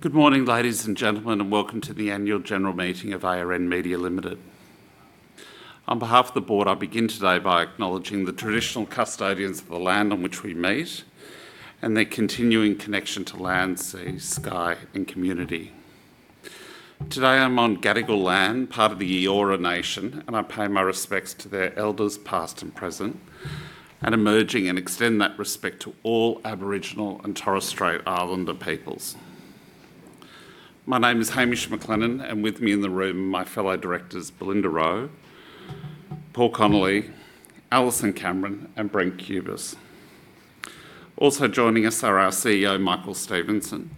Good morning, ladies and gentlemen. Welcome to the annual general meeting of ARN Media Limited. On behalf of the board, I begin today by acknowledging the traditional custodians of the land on which we meet, and their continuing connection to land, sea, sky, and community. Today I'm on Gadigal land, part of the Eora nation, and I pay my respects to their elders past and present, and emerging, and extend that respect to all Aboriginal and Torres Strait Islander peoples. My name is Hamish McLennan. With me in the room, my fellow directors, Belinda Rowe, Paul Connolly, Alison Cameron, and Brent Cubis. Also joining us are our CEO, Michael Stephenson,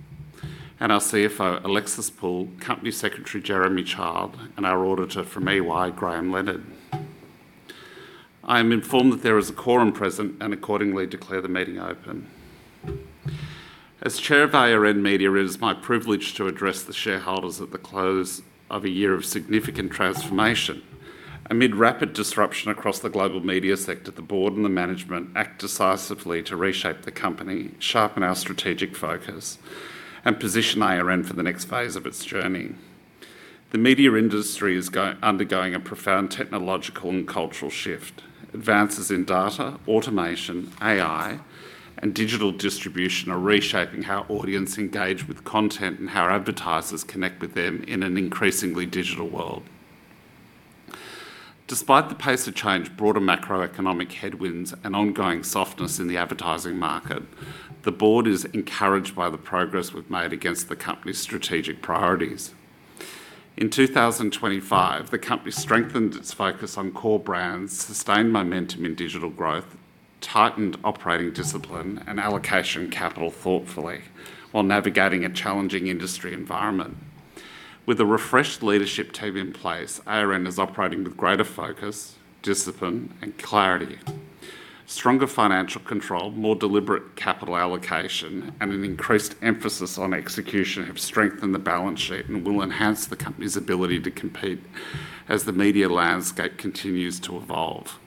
and our CFO, Alexis Poole, Company Secretary Jeremy Child, and our Auditor from EY, Graeme Leonard. I am informed that there is a quorum present, and accordingly declare the meeting open. As Chairman of ARN Media, it is my privilege to address the shareholders at the close of a year of significant transformation. Amid rapid disruption across the global media sector, the board and the management act decisively to reshape the company, sharpen our strategic focus, and position ARN for the next phase of its journey. The media industry is undergoing a profound technological and cultural shift. Advances in data, automation, AI, and digital distribution are reshaping how audience engage with content and how advertisers connect with them in an increasingly digital world. Despite the pace of change, broader macroeconomic headwinds, and ongoing softness in the advertising market, the board is encouraged by the progress we've made against the company's strategic priorities. In 2025, the company strengthened its focus on core brands, sustained momentum in digital growth, tightened operating discipline, and allocation capital thoughtfully while navigating a challenging industry environment. With a refreshed leadership team in place, ARN is operating with greater focus, discipline, and clarity. Stronger financial control, more deliberate capital allocation, and an increased emphasis on execution have strengthened the balance sheet and will enhance the company's ability to compete as the media landscape continues to evolve.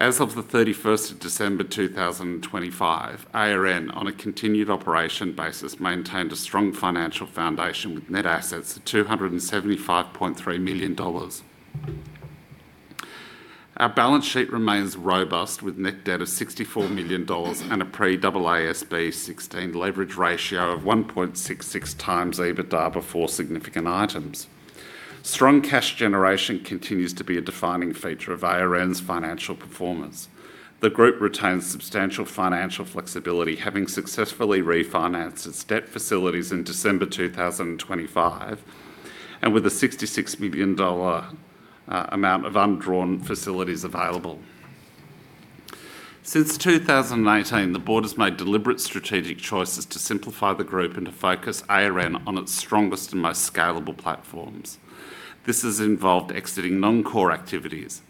As of the 31st of December, 2025, ARN, on a continued operation basis, maintained a strong financial foundation with net assets of 275.3 million dollars. Our balance sheet remains robust with net debt of 64 million dollars and a pre-AASB 16 leverage ratio of 1.66 times EBITDA before significant items. Strong cash generation continues to be a defining feature of ARN's financial performance. The group retains substantial financial flexibility, having successfully refinanced its debt facilities in December 2025, and with an 66 million dollar amount of undrawn facilities available. Since 2018, the board has made deliberate strategic choices to simplify the group and to focus ARN on its strongest and most scalable platforms. This has involved exiting non-core activities.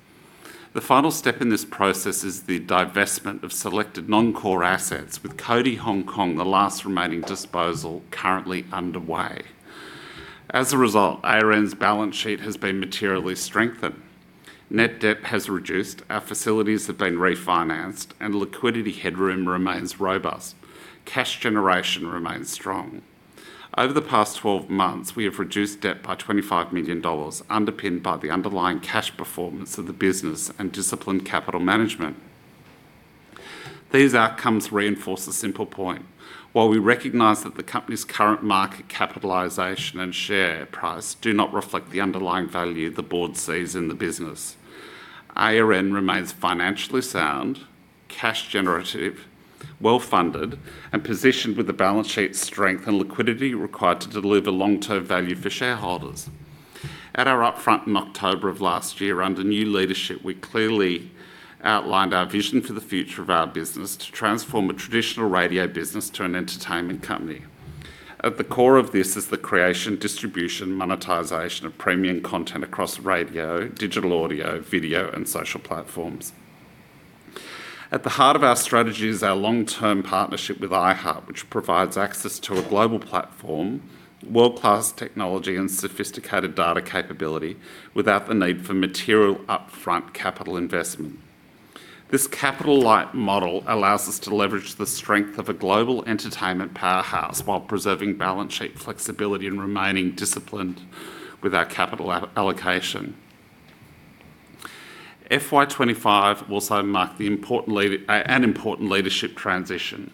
The final step in this process is the divestment of selected non-core assets with Cody Hong Kong, the last remaining disposal currently underway. As a result, ARN's balance sheet has been materially strengthened. Net debt has reduced, our facilities have been refinanced, and liquidity headroom remains robust. Cash generation remains strong. Over the past 12 months, we have reduced debt by 25 million dollars, underpinned by the underlying cash performance of the business and disciplined capital management. These outcomes reinforce a simple point. While we recognize that the company's current market capitalization and share price do not reflect the underlying value the board sees in the business, ARN remains financially sound, cash generative, well-funded, and positioned with the balance sheet strength and liquidity required to deliver long-term value for shareholders. At our upfront in October of last year under new leadership, we clearly outlined our vision for the future of our business to transform a traditional radio business to an entertainment company. At the core of this is the creation, distribution, monetization of premium content across radio, digital audio, video, and social platforms. At the heart of our strategy is our long-term partnership with iHeart, which provides access to a global platform, world-class technology, and sophisticated data capability without the need for material upfront capital investment. This capital light model allows us to leverage the strength of a global entertainment powerhouse while preserving balance sheet flexibility and remaining disciplined with our capital allocation. FY 2025 also marked an important leadership transition.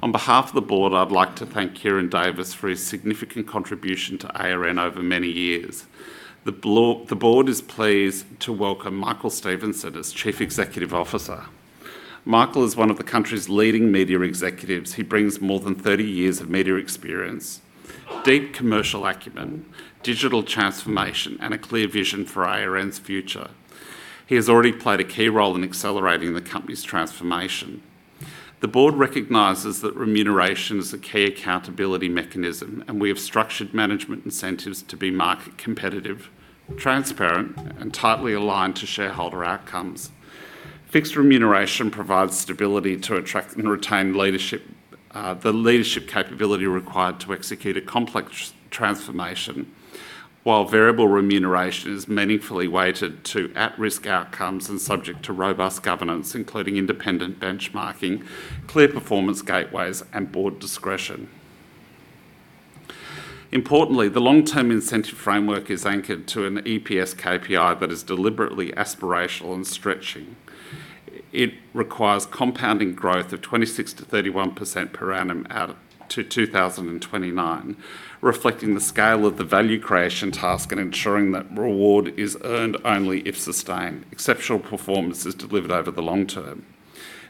On behalf of the board, I'd like to thank Ciaran Davis for his significant contribution to ARN over many years. The board is pleased to welcome Michael Stephenson as Chief Executive Officer. Michael is one of the country's leading media executives. He brings more than 30 years of media experience, deep commercial acumen, digital transformation, and a clear vision for ARN's future. He has already played a key role in accelerating the company's transformation. The board recognizes that remuneration is a key accountability mechanism. We have structured management incentives to be market competitive, transparent, and tightly aligned to shareholder outcomes. Fixed remuneration provides stability to attract and retain leadership, the leadership capability required to execute a complex transformation. Variable remuneration is meaningfully weighted to at-risk outcomes and subject to robust governance, including independent benchmarking, clear performance gateways, and board discretion. Importantly, the long-term incentive framework is anchored to an EPS KPI that is deliberately aspirational and stretching. It requires compounding growth of 26%-31% per annum out of 2029, reflecting the scale of the value creation task and ensuring that reward is earned only if sustained. Exceptional performance is delivered over the long term.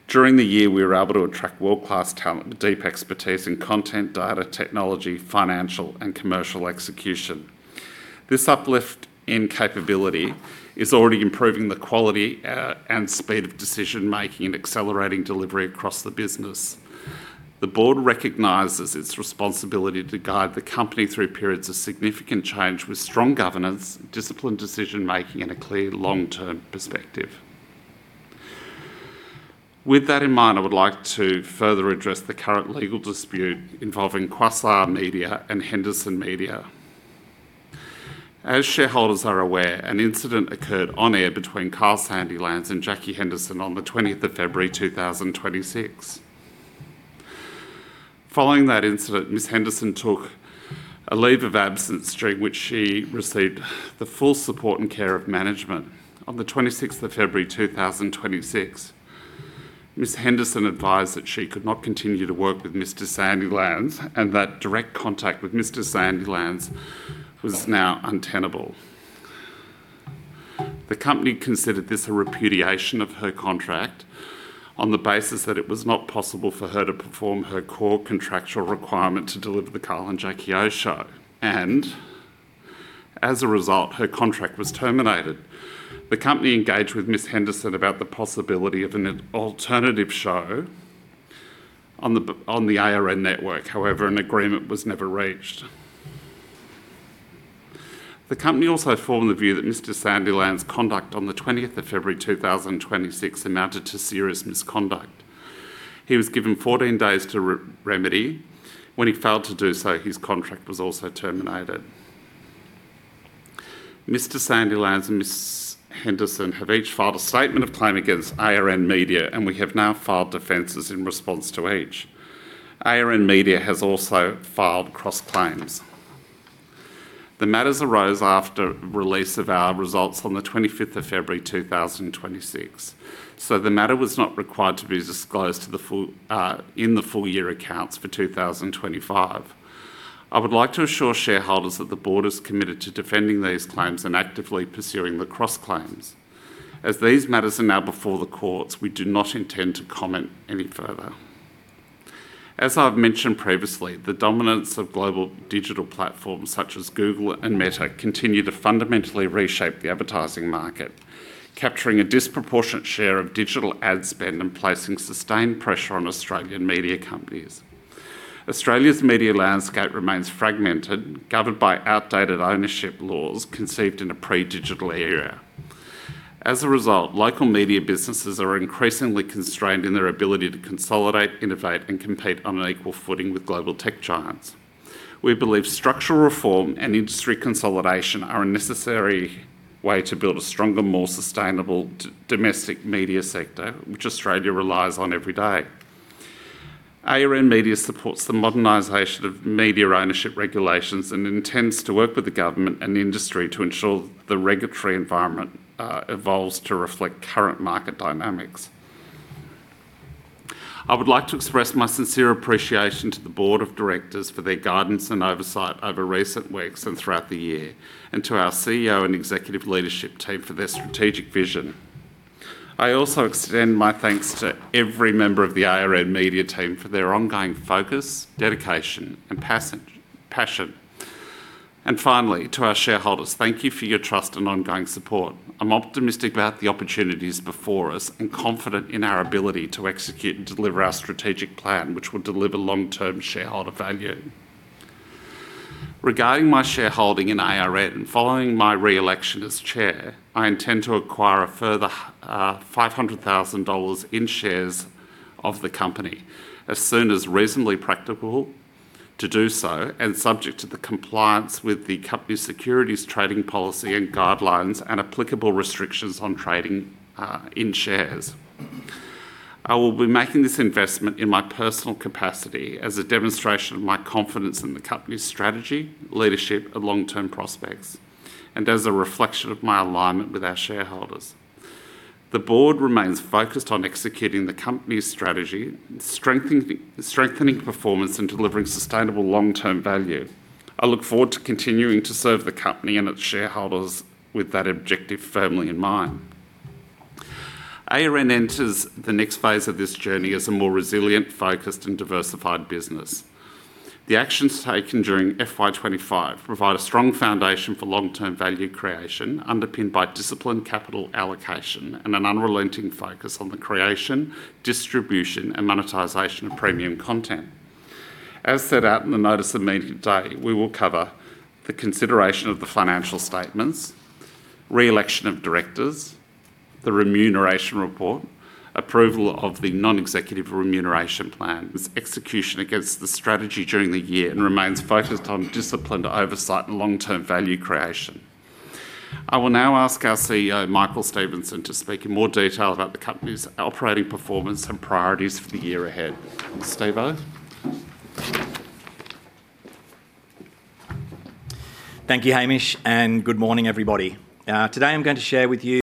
During the year, we were able to attract world-class talent with deep expertise in content, data technology, financial, and commercial execution. This uplift in capability is already improving the quality and speed of decision-making and accelerating delivery across the business. The board recognizes its responsibility to guide the company through periods of significant change with strong governance, disciplined decision-making, and a clear long-term perspective. With that in mind, I would like to further address the current legal dispute involving Quasar Media and Henderson Media. As shareholders are aware, an incident occurred on air between Kyle Sandilands and Jackie Henderson on the 20th of February, 2026. Following that incident, Ms. Henderson took a leave of absence during which she received the full support and care of management. On the 26th of February, 2026, Ms. Henderson advised that she could not continue to work with Mr. Sandilands and that direct contact with Mr. Sandilands was now untenable. The company considered this a repudiation of her contract on the basis that it was not possible for her to perform her core contractual requirement to deliver The Kyle & Jackie O Show, and as a result, her contract was terminated. The company engaged with Ms. Henderson about the possibility of an alternative show on the ARN network. However, an agreement was never reached. The company also formed the view that Mr. Sandilands' conduct on the 20th of February, 2026, amounted to serious misconduct. He was given 14 days to remedy. When he failed to do so, his contract was also terminated. Mr. Sandilands and Ms. Henderson have each filed a statement of claim against ARN Media, and we have now filed defenses in response to each. ARN Media has also filed cross-claims. The matters arose after release of our results on the 25th of February, 2026, so the matter was not required to be disclosed to the full in the full year accounts for 2025. I would like to assure shareholders that the board is committed to defending these claims and actively pursuing the cross-claims. As these matters are now before the courts, we do not intend to comment any further. As I've mentioned previously, the dominance of global digital platforms such as Google and Meta continue to fundamentally reshape the advertising market, capturing a disproportionate share of digital ad spend and placing sustained pressure on Australian media companies. Australia's media landscape remains fragmented, governed by outdated ownership laws conceived in a pre-digital era. As a result, local media businesses are increasingly constrained in their ability to consolidate, innovate, and compete on an equal footing with global tech giants. We believe structural reform and industry consolidation are a necessary way to build a stronger, more sustainable domestic media sector, which Australia relies on every day. ARN Media supports the modernization of media ownership regulations and intends to work with the government and the industry to ensure the regulatory environment evolves to reflect current market dynamics. I would like to express my sincere appreciation to the board of directors for their guidance and oversight over recent weeks and throughout the year, and to our CEO and executive leadership team for their strategic vision. I also extend my thanks to every member of the ARN Media team for their ongoing focus, dedication, and passion. Finally, to our shareholders, thank you for your trust and ongoing support. I'm optimistic about the opportunities before us and confident in our ability to execute and deliver our strategic plan, which will deliver long-term shareholder value. Regarding my shareholding in ARN, following my re-election as Chair, I intend to acquire a further 500,000 dollars in shares of the company as soon as reasonably practical to do so, and subject to the compliance with the company's securities trading policy and guidelines and applicable restrictions on trading in shares. I will be making this investment in my personal capacity as a demonstration of my confidence in the company's strategy, leadership, and long-term prospects, and as a reflection of my alignment with our shareholders. The board remains focused on executing the company's strategy, strengthening performance, and delivering sustainable long-term value. I look forward to continuing to serve the company and its shareholders with that objective firmly in mind. ARN enters the next phase of this journey as a more resilient, focused, and diversified business. The actions taken during FY 2025 provide a strong foundation for long-term value creation, underpinned by disciplined capital allocation and an unrelenting focus on the creation, distribution, and monetization of premium content. As set out in the notice of meeting today, we will cover the consideration of the financial statements, re-election of directors, the remuneration report, approval of the non-executive remuneration plan. This execution against the strategy during the year and remains focused on disciplined oversight and long-term value creation. I will now ask our CEO, Michael Stephenson, to speak in more detail about the company's operating performance and priorities for the year ahead. Steve-O. Thank you, Hamish, and good morning, everybody. Today I'm going to share with you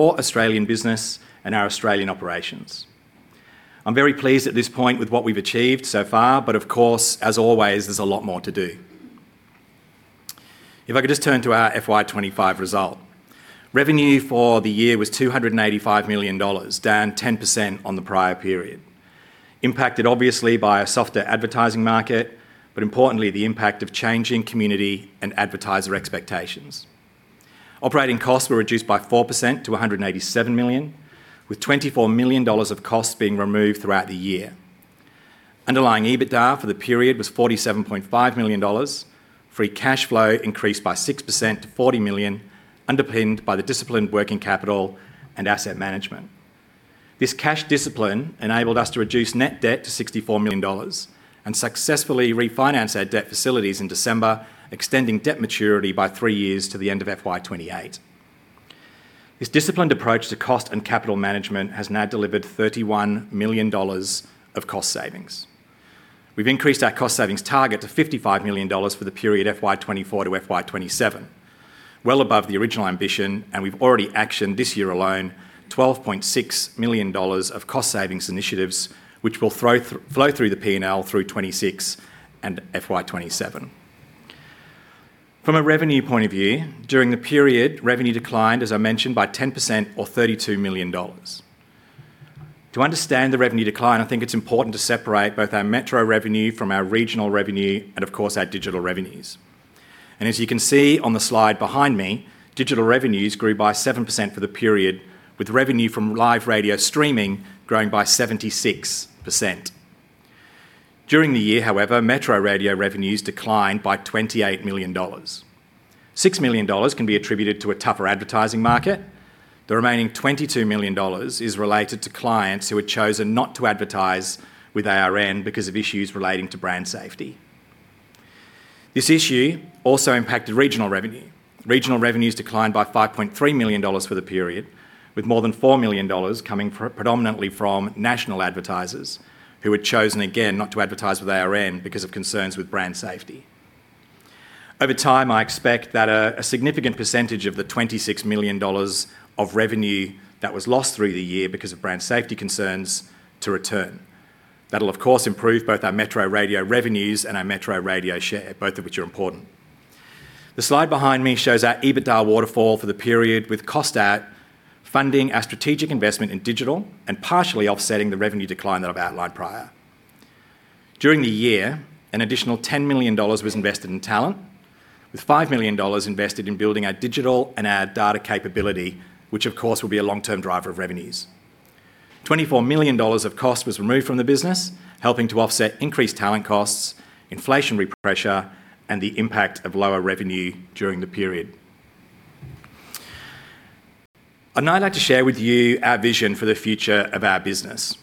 for Australian business and our Australian operations. I'm very pleased at this point with what we've achieved so far, but of course, as always, there's a lot more to do. If I could just turn to our FY 2025 result. Revenue for the year was 285 million dollars, down 10% on the prior period, impacted obviously by a softer advertising market, but importantly the impact of changing community and advertiser expectations. Operating costs were reduced by 4% to 187 million, with 24 million dollars of costs being removed throughout the year. Underlying EBITDA for the period was 47.5 million dollars. Free cash flow increased by 6% to 40 million, underpinned by the disciplined working capital and asset management. This cash discipline enabled us to reduce net debt to 64 million dollars and successfully refinance our debt facilities in December, extending debt maturity by three years to the end of FY 2028. This disciplined approach to cost and capital management has now delivered 31 million dollars of cost savings. We've increased our cost savings target to 55 million dollars for the period FY 2024 to FY 2027, well above the original ambition, and we've already actioned this year alone 12.6 million dollars of cost savings initiatives which will flow through the P&L through 2026 and FY 2027. From a revenue point of view, during the period, revenue declined, as I mentioned, by 10% or 32 million dollars. To understand the revenue decline, I think it's important to separate both our metro revenue from our regional revenue and of course our digital revenues. As you can see on the slide behind me, digital revenues grew by 7% for the period, with revenue from live radio streaming growing by 76%. During the year, however, metro radio revenues declined by 28 million dollars. 6 million dollars can be attributed to a tougher advertising market. The remaining 22 million dollars is related to clients who had chosen not to advertise with ARN because of issues relating to brand safety. This issue also impacted regional revenue. Regional revenues declined by 5.3 million dollars for the period, with more than 4 million dollars coming predominantly from national advertisers who had chosen again not to advertise with ARN because of concerns with brand safety. Over time, I expect that a significant percentage of the 26 million dollars of revenue that was lost through the year because of brand safety concerns to return. That'll of course improve both our metro radio revenues and our metro radio share, both of which are important. The slide behind me shows our EBITDA waterfall for the period with cost out funding our strategic investment in digital and partially offsetting the revenue decline that I've outlined prior. During the year, an additional 10 million dollars was invested in talent, with 5 million dollars invested in building our digital and our data capability, which of course will be a long-term driver of revenues. 24 million dollars of cost was removed from the business, helping to offset increased talent costs, inflationary pressure, and the impact of lower revenue during the period. I'd now like to share with you our vision for the future of our business.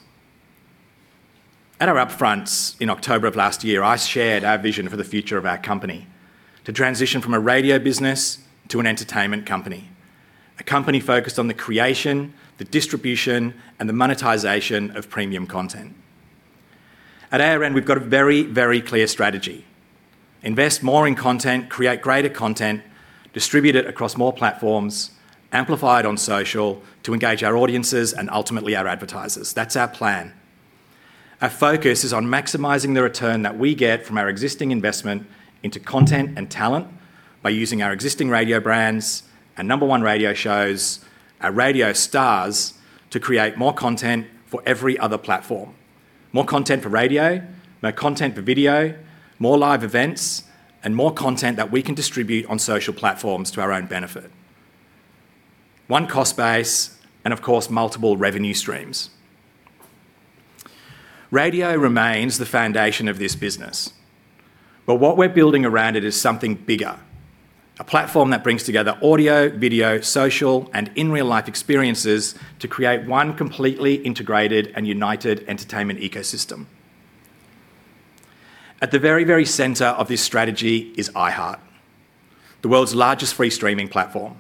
At our upfronts in October of last year, I shared our vision for the future of our company, to transition from a radio business to an entertainment company, a company focused on the creation, the distribution, and the monetization of premium content. At ARN, we've got a very, very clear strategy: invest more in content, create greater content, distribute it across more platforms, amplify it on social to engage our audiences and ultimately our advertisers. That's our plan. Our focus is on maximizing the return that we get from our existing investment into content and talent by using our existing radio brands and number one radio shows, our radio stars, to create more content for every other platform. More content for radio, more content for video, more live events, and more content that we can distribute on social platforms to our own benefit. One cost base and of course multiple revenue streams. Radio remains the foundation of this business. What we're building around it is something bigger, a platform that brings together audio, video, social, and in real-life experiences to create 1 completely integrated and united entertainment ecosystem. At the very, very center of this strategy is iHeart, the world's largest free streaming platform.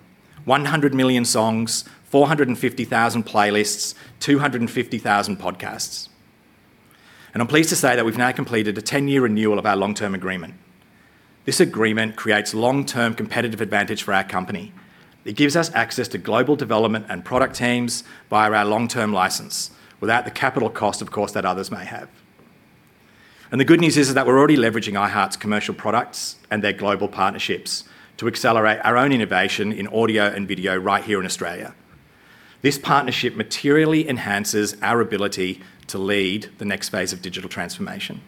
100 million songs, 450,000 playlists, 250,000 podcasts. I'm pleased to say that we've now completed a 10-year renewal of our long-term agreement. This agreement creates long-term competitive advantage for our company. It gives us access to global development and product teams via our long-term license, without the capital cost, of course, that others may have. The good news is that we're already leveraging iHeart's commercial products and their global partnerships to accelerate our own innovation in audio and video right here in Australia. This partnership materially enhances our ability to lead the next phase of digital transformation.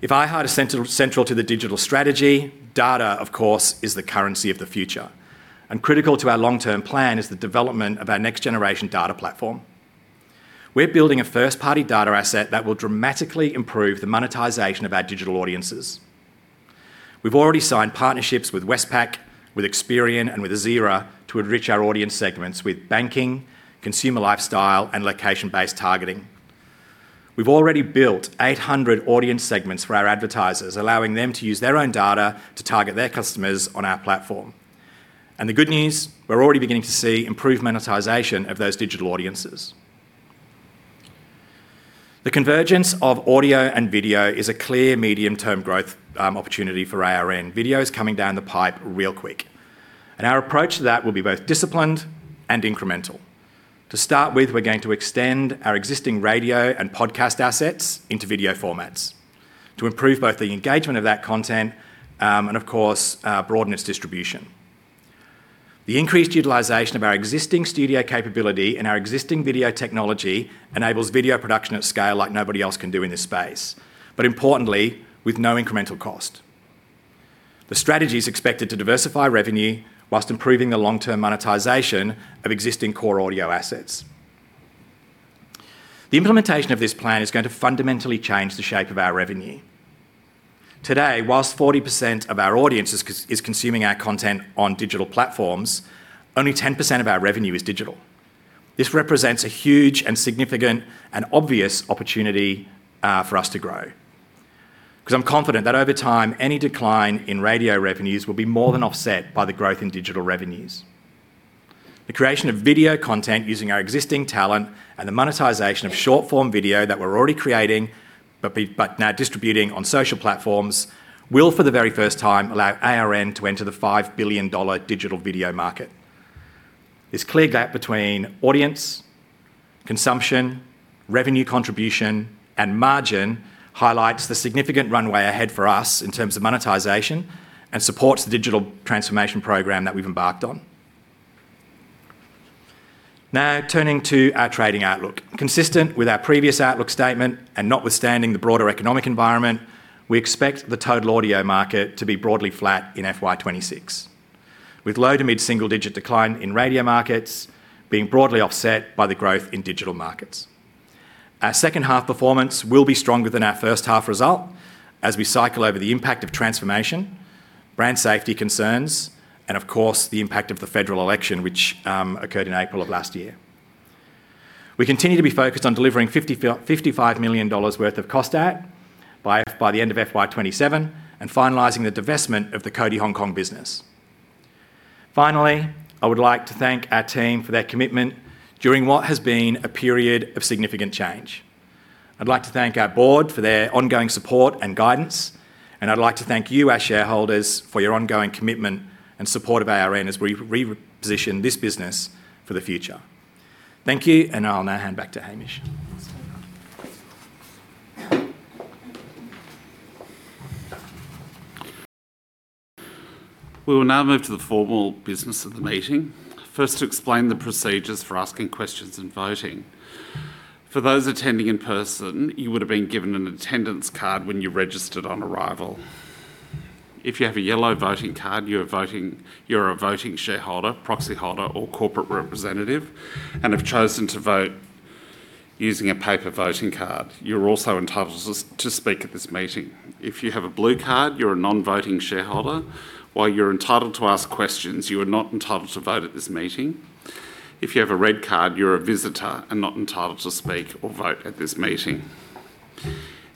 If iHeart is central to the digital strategy, data, of course, is the currency of the future. Critical to our long-term plan is the development of our next-generation data platform. We're building a first-party data asset that will dramatically improve the monetization of our digital audiences. We've already signed partnerships with Westpac, with Experian, and with Azira to enrich our audience segments with banking, consumer lifestyle, and location-based targeting. We've already built 800 audience segments for our advertisers, allowing them to use their own data to target their customers on our platform. The good news, we're already beginning to see improved monetization of those digital audiences. The convergence of audio and video is a clear medium-term growth opportunity for ARN. Video's coming down the pipe real quick. Our approach to that will be both disciplined and incremental. To start with, we're going to extend our existing radio and podcast assets into video formats to improve both the engagement of that content, and of course, broaden its distribution. The increased utilization of our existing studio capability and our existing video technology enables video production at scale like nobody else can do in this space, but importantly, with no incremental cost. The strategy's expected to diversify revenue whilst improving the long-term monetization of existing core audio assets. The implementation of this plan is going to fundamentally change the shape of our revenue. Today, whilst 40% of our audience is consuming our content on digital platforms, only 10% of our revenue is digital. This represents a huge and significant and obvious opportunity for us to grow. Because I'm confident that over time any decline in radio revenues will be more than offset by the growth in digital revenues. The creation of video content using our existing talent and the monetization of short-form video that we're already creating but now distributing on social platforms will for the very first time allow ARN to enter the 5 billion dollar digital video market. This clear gap between audience, consumption, revenue contribution, and margin highlights the significant runway ahead for us in terms of monetization and supports the digital transformation program that we've embarked on. Now turning to our trading outlook. Consistent with our previous outlook statement and notwithstanding the broader economic environment, we expect the total audio market to be broadly flat in FY 2026, with low-to-mid single-digit decline in radio markets being broadly offset by the growth in digital markets. Our second half performance will be stronger than our first half result as we cycle over the impact of transformation, brand safety concerns, and of course the impact of the federal election which occurred in April of last year. We continue to be focused on delivering 55 million dollars worth of cost out by the end of FY 2027 and finalizing the divestment of the Cody Hong Kong business. I would like to thank our team for their commitment during what has been a period of significant change. I'd like to thank our board for their ongoing support and guidance, I'd like to thank you, our shareholders, for your ongoing commitment and support of ARN as we reposition this business for the future. Thank you, I'll now hand back to Hamish. We will now move to the formal business of the meeting. First, to explain the procedures for asking questions and voting. For those attending in person, you would've been given an attendance card when you registered on arrival. If you have a yellow voting card, you're a voting shareholder, proxyholder, or corporate representative and have chosen to vote using a paper voting card. You're also entitled to speak at this meeting. If you have a blue card, you're a non-voting shareholder. While you're entitled to ask questions, you are not entitled to vote at this meeting. If you have a red card, you're a visitor and not entitled to speak or vote at this meeting.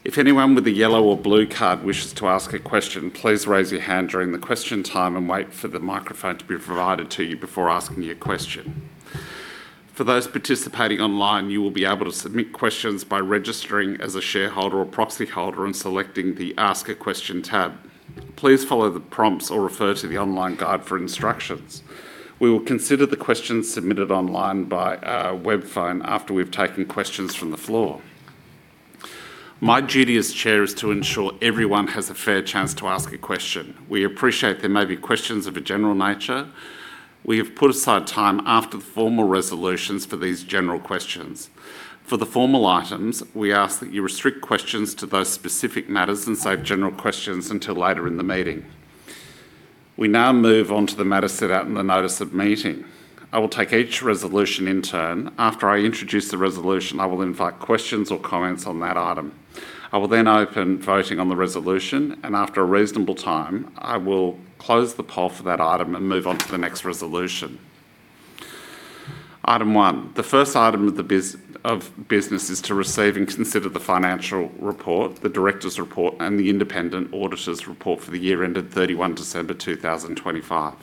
If anyone with a yellow or blue card wishes to ask a question, please raise your hand during the question time and wait for the microphone to be provided to you before asking your question. For those participating online, you will be able to submit questions by registering as a shareholder or proxyholder and selecting the Ask a Question tab. Please follow the prompts or refer to the online guide for instructions. We will consider the questions submitted online by our web phone after we've taken questions from the floor. My duty as Chair is to ensure everyone has a fair chance to ask a question. We appreciate there may be questions of a general nature. We have put aside time after the formal resolutions for these general questions. For the formal items, we ask that you restrict questions to those specific matters and save general questions until later in the meeting. We now move on to the matters set out in the notice of meeting. I will take each resolution in turn. After I introduce the resolution, I will invite questions or comments on that item. I will then open voting on the resolution, and after a reasonable time, I will close the poll for that item and move on to the next resolution. Item one, the first item of business is to receive and consider the financial report, the director's report, and the independent auditor's report for the year ended 31 December 2025.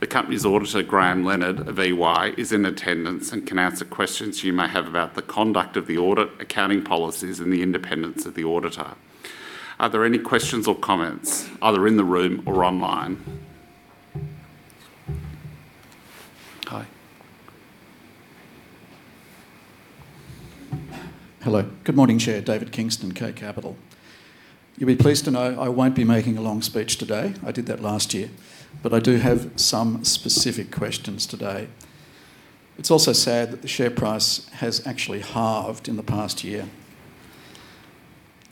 The company's auditor, Graham Leonard of EY, is in attendance and can answer questions you may have about the conduct of the audit, accounting policies, and the independence of the auditor. Are there any questions or comments, either in the room or online? Hi. Hello. Good morning, Chair. David Kingston, K Capital. You'll be pleased to know I won't be making a long speech today. I did that last year. I do have some specific questions today. It's also sad that the share price has actually halved in the past year.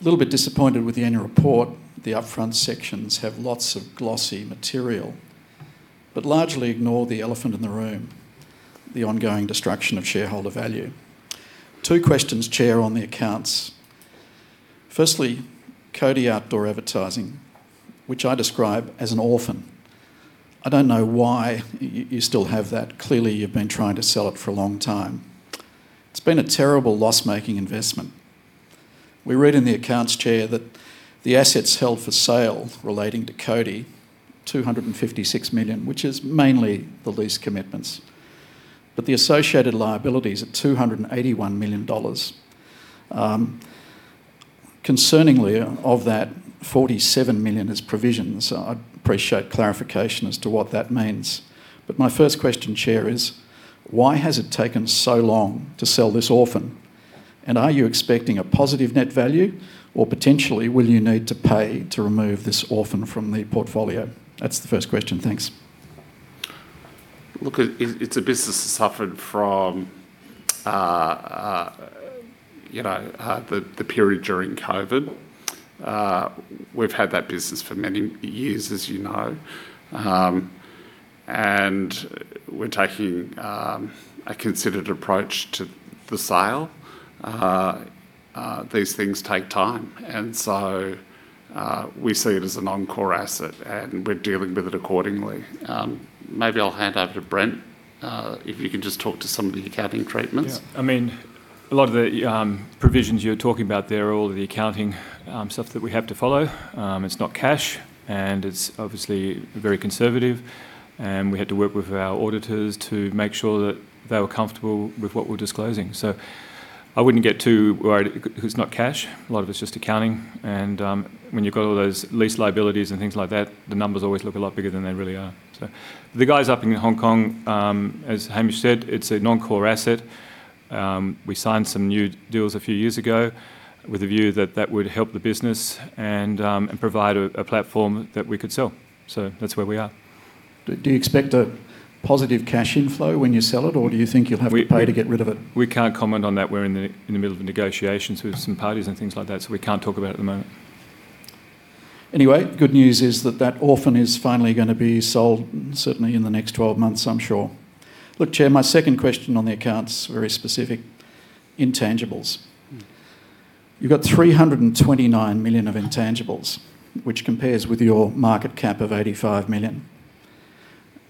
Little bit disappointed with the annual report. The upfront sections have lots of glossy material, but largely ignore the elephant in the room, the ongoing destruction of shareholder value. Two questions, Chair, on the accounts. Firstly, Cody Outdoor Advertising, which I describe as an orphan. I don't know why you still have that. Clearly, you've been trying to sell it for a long time. It's been a terrible loss-making investment. We read in the accounts, Chair, that the assets held for sale relating to Cody, 256 million, which is mainly the lease commitments, but the associated liability's at 281 million dollars. Concerningly, of that, 47 million is provisions. I'd appreciate clarification as to what that means. My first question, Chair, is why has it taken so long to sell this orphan, and are you expecting a positive net value, or potentially will you need to pay to remove this orphan from the portfolio? That's the first question. Thanks. Look, it's a business that suffered from, you know, the period during COVID. We've had that business for many years, as you know. We're taking a considered approach to the sale. These things take time, we see it as a non-core asset, and we're dealing with it accordingly. Maybe I'll hand over to Brent. If you can just talk to some of the accounting treatments. I mean, a lot of the provisions you're talking about there are all the accounting stuff that we have to follow. It's not cash, and it's obviously very conservative, and we had to work with our auditors to make sure that they were comfortable with what we're disclosing. I wouldn't get too worried, 'cause it's not cash. A lot of it's just accounting, and when you've got all those lease liabilities and things like that, the numbers always look a lot bigger than they really are. The guys up in Hong Kong, as Hamish said, it's a non-core asset. We signed some new deals a few years ago with a view that that would help the business and provide a platform that we could sell. That's where we are. Do you expect a positive cash inflow when you sell it? Do you think you'll have to pay to get rid of it? We can't comment on that. We're in the middle of negotiations with some parties and things like that, so we can't talk about it at the moment. Good news is that that orphan is finally gonna be sold, certainly in the next 12 months, I'm sure. Look, Chair, my second question on the accounts, very specific. Intangibles. You've got 329 million of intangibles, which compares with your market cap of 85 million.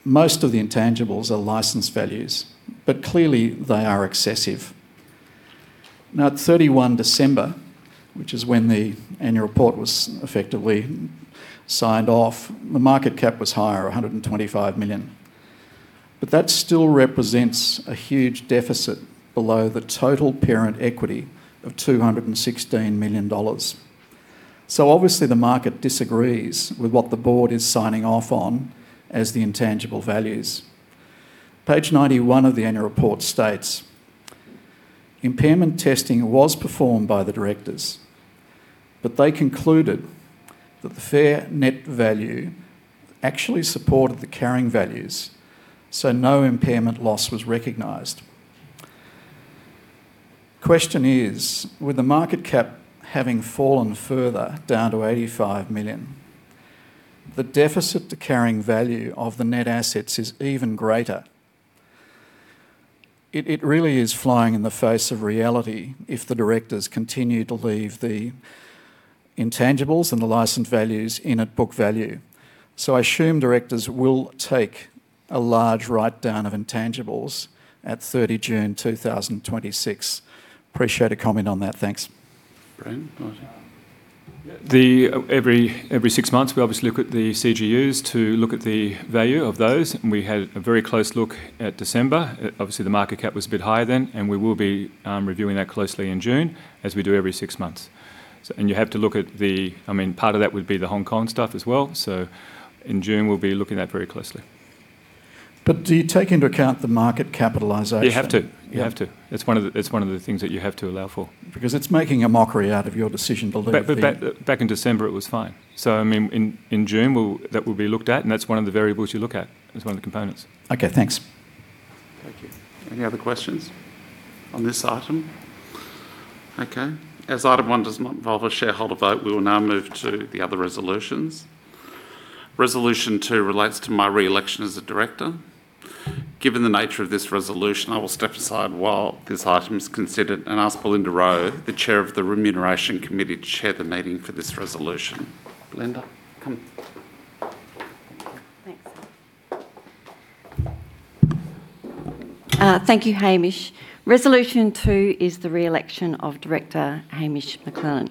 Most of the intangibles are license values, but clearly they are excessive. At 31 December, which is when the annual report was effectively signed off, the market cap was higher, 125 million, but that still represents a huge deficit below the total parent equity of 216 million dollars. Obviously the market disagrees with what the board is signing off on as the intangible values. Page 91 of the annual report states, "Impairment testing was performed by the directors, but they concluded that the fair net value actually supported the carrying values, so no impairment loss was recognized." Question is, with the market cap having fallen further, down to 85 million, the deficit to carrying value of the net assets is even greater. It really is flying in the face of reality if the directors continue to leave the intangibles and the license values in at book value? I assume directors will take a large write-down of intangibles at 30 June 2026. Appreciate a comment on that. Thanks. Brent, want to? Every six months we obviously look at the CGUs to look at the value of those, and we had a very close look at December. Obviously the market cap was a bit higher then, and we will be reviewing that closely in June, as we do every six months. You have to look at the I mean, part of that would be the Hong Kong stuff as well. In June we'll be looking at that very closely. Do you take into account the market capitalization? You have to. You have to. It's one of the things that you have to allow for. Because it's making a mockery out of your decision to leave. Back in December it was fine. I mean, in June that will be looked at, and that's one of the variables you look at as one of the components. Okay, thanks. Thank you. Any other questions on this item? Okay. As item one does not involve a shareholder vote, we will now move to the other resolutions. Resolution two relates to my re-election as a director. Given the nature of this resolution, I will step aside while this item is considered and ask Belinda Rowe, the Chair of the Remuneration Committee, to Chair the meeting for this resolution. Belinda, come. Thanks. Thank you, Hamish. Resolution 2 is the re-election of Director Hamish McLennan.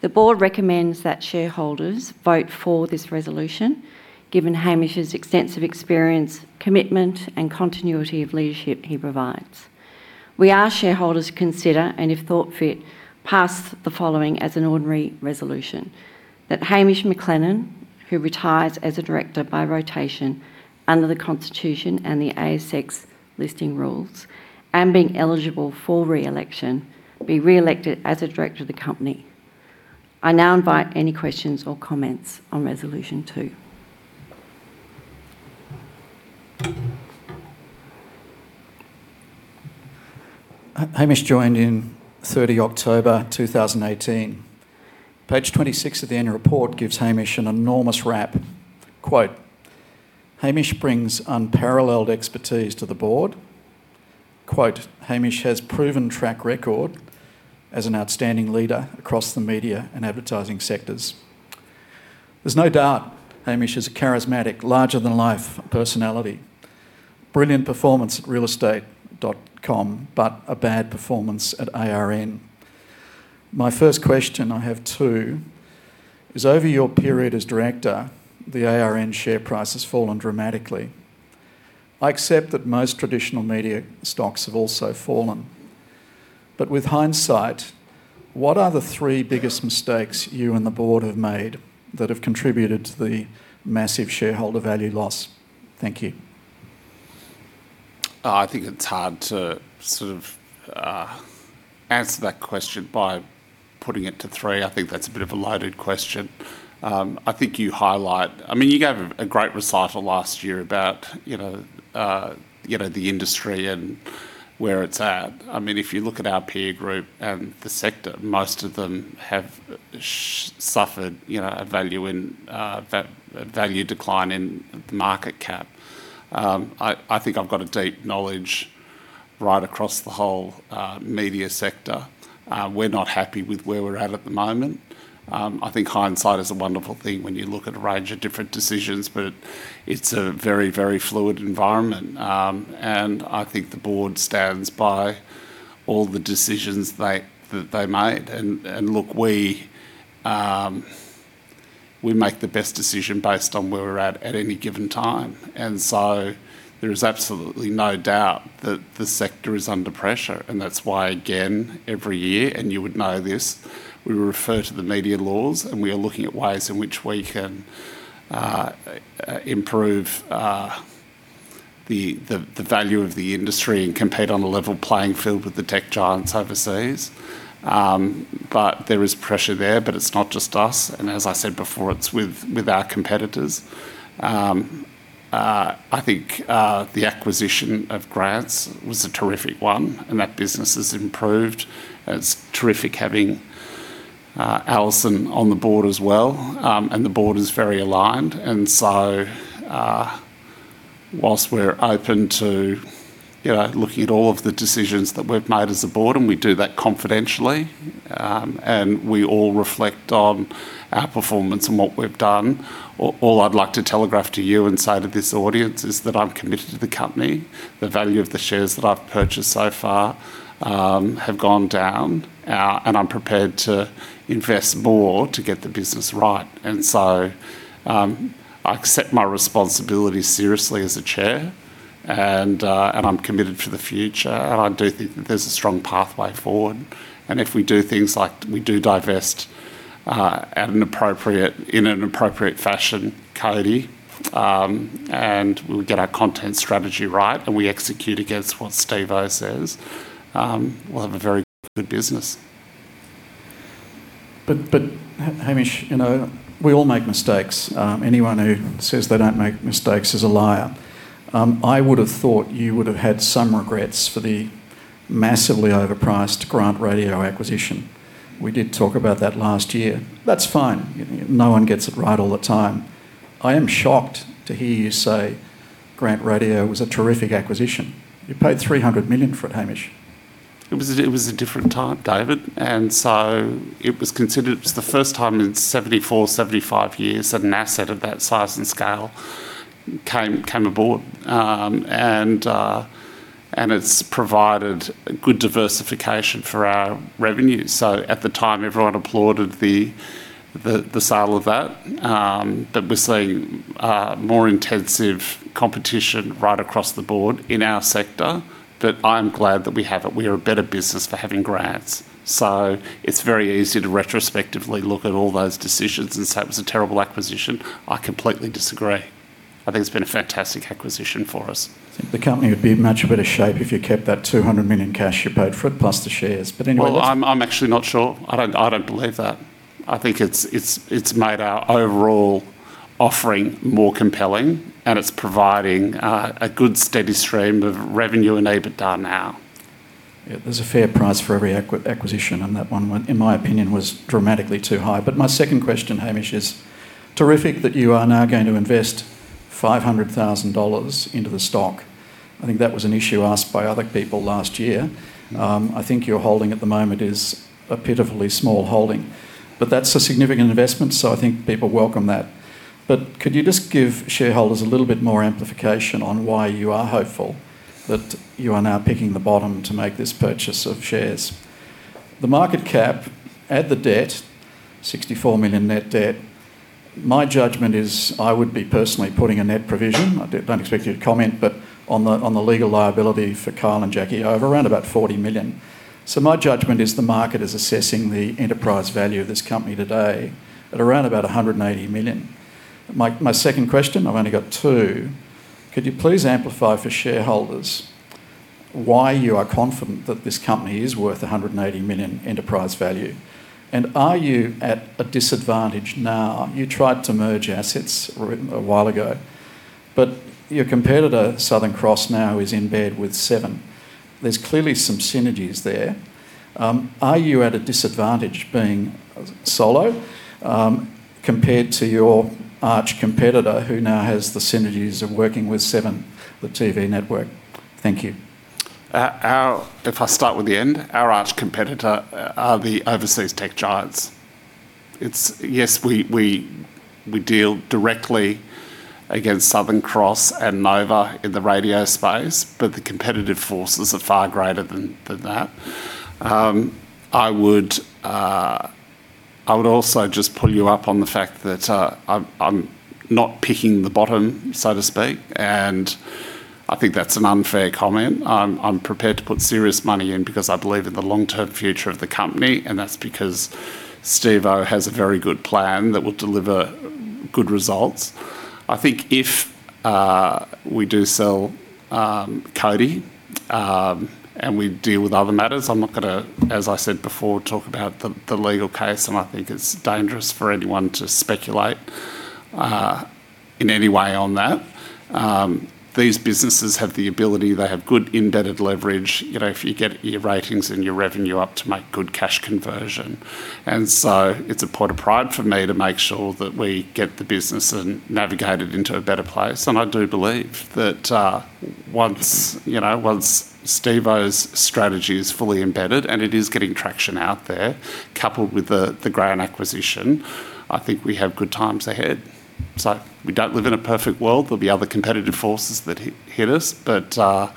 The board recommends that shareholders vote for this resolution, given Hamish's extensive experience, commitment, and continuity of leadership he provides. We ask shareholders to consider, and if thought fit, pass the following as an ordinary resolution: that Hamish McLennan, who retires as a director by rotation under the constitution and the ASX listing rules, and being eligible for re-election, be re-elected as a director of the company. I now invite any questions or comments on Resolution 2. Hamish joined in 30 October, 2018. Page 26 of the annual report gives Hamish an enormous wrap. Quote, "Hamish brings unparalleled expertise to the board." Quote, "Hamish has proven track record as an outstanding leader across the media and advertising sectors." There's no doubt Hamish is a charismatic, larger than life personality. Brilliant performance at realestate.com.au, but a bad performance at ARN. My first question, I have two, is over your period as director, the ARN share price has fallen dramatically. I accept that most traditional media stocks have also fallen. With hindsight, what are the three biggest mistakes you and the board have made that have contributed to the massive shareholder value loss? Thank you. I think it's hard to sort of answer that question by putting it to three. I think that's a bit of a loaded question. I think you highlight I mean, you gave a great recital last year about, you know, the industry and where it's at. I mean, if you look at our peer group and the sector, most of them have suffered, you know, a value in a value decline in the market cap. I think I've got a deep knowledge right across the whole media sector. We're not happy with where we're at at the moment. I think hindsight is a wonderful thing when you look at a range of different decisions, but it's a very, very fluid environment. I think the board stands by all the decisions that they made. Look, we make the best decision based on where we're at at any given time. There is absolutely no doubt that the sector is under pressure, and that's why again, every year, and you would know this, we refer to the media laws, and we are looking at ways in which we can improve the value of the industry and compete on a level playing field with the tech giants overseas. But there is pressure there, but it's not just us, and as I said before, it's with our competitors. I think the acquisition of Grant's was a terrific one, and that business has improved. It's terrific having Alison on the board as well. The board is very aligned. Whilst we're open to, you know, looking at all of the decisions that we've made as a board, and we do that confidentially, and we all reflect on our performance and what we've done, all I'd like to telegraph to you and say to this audience is that I'm committed to the company. The value of the shares that I've purchased so far have gone down, and I'm prepared to invest more to get the business right. I accept my responsibility seriously as a Chair, and I'm committed for the future, and I do think that there's a strong pathway forward. If we do things like we do divest, at an appropriate, in an appropriate fashion, Cody, and we get our content strategy right, and we execute against what Steve-O says, we'll have a very good business. Hamish, you know, we all make mistakes. Anyone who says they don't make mistakes is a liar. I would have thought you would have had some regrets for the massively overpriced Grant Radio acquisition. We did talk about that last year. That's fine. No one gets it right all the time. I am shocked to hear you say Grant Radio was a terrific acquisition. You paid 300 million for it, Hamish. It was a different time, David. It was considered, it was the first time in 74/75 years that an asset of that size and scale came aboard. It's provided good diversification for our revenue. At the time, everyone applauded the sale of that. We're seeing more intensive competition right across the board in our sector, that I'm glad that we have it. We are a better business for having Grant Broadcasters. It's very easy to retrospectively look at all those decisions and say it was a terrible acquisition. I completely disagree. I think it's been a fantastic acquisition for us. I think the company would be in much better shape if you kept that 200 million cash you paid for it, plus the shares. Well, I'm actually not sure. I don't believe that. I think it's made our overall offering more compelling, and it's providing a good steady stream of revenue and EBITDA now. There's a fair price for every acquisition, and that one, in my opinion, was dramatically too high. My second question, Hamish, is terrific that you are now going to invest 500,000 dollars into the stock. I think that was an issue asked by other people last year. I think your holding at the moment is a pitifully small holding. That's a significant investment, so I think people welcome that. Could you just give shareholders a little bit more amplification on why you are hopeful that you are now picking the bottom to make this purchase of shares? The market cap, add the debt, 64 million net debt, my judgment is I would be personally putting a net provision. I don't expect you to comment, but on the legal liability for Kyle & Jackie O Show of around about 40 million. My judgment is the market is assessing the enterprise value of this company today at around about 180 million. My second question, I've only got two, could you please amplify for shareholders why you are confident that this company is worth 180 million enterprise value? Are you at a disadvantage now? You tried to merge assets a while ago, but your competitor, Southern Cross, now is in bed with Seven. There's clearly some synergies there. Are you at a disadvantage being solo compared to your arch competitor who now has the synergies of working with Seven, the TV network? Thank you. Our If I start with the end, our arch competitor are the overseas tech giants. It's Yes, we deal directly against Southern Cross and Nova in the radio space. The competitive forces are far greater than that. I would also just pull you up on the fact that I'm not picking the bottom, so to speak. I think that's an unfair comment. I'm prepared to put serious money in because I believe in the long-term future of the company. That's because Steve-O has a very good plan that will deliver good results. I think if we do sell CODI and we deal with other matters, I'm not gonna, as I said before, talk about the legal case. I think it's dangerous for anyone to speculate in any way on that. These businesses have the ability, they have good indebted leverage, you know, if you get your ratings and your revenue up to make good cash conversion. It's a point of pride for me to make sure that we get the business and navigate it into a better place. I do believe that, once, you know, once Steve O's strategy is fully embedded, and it is getting traction out there, coupled with the Grant acquisition, I think we have good times ahead. We don't live in a perfect world. There'll be other competitive forces that hit us. I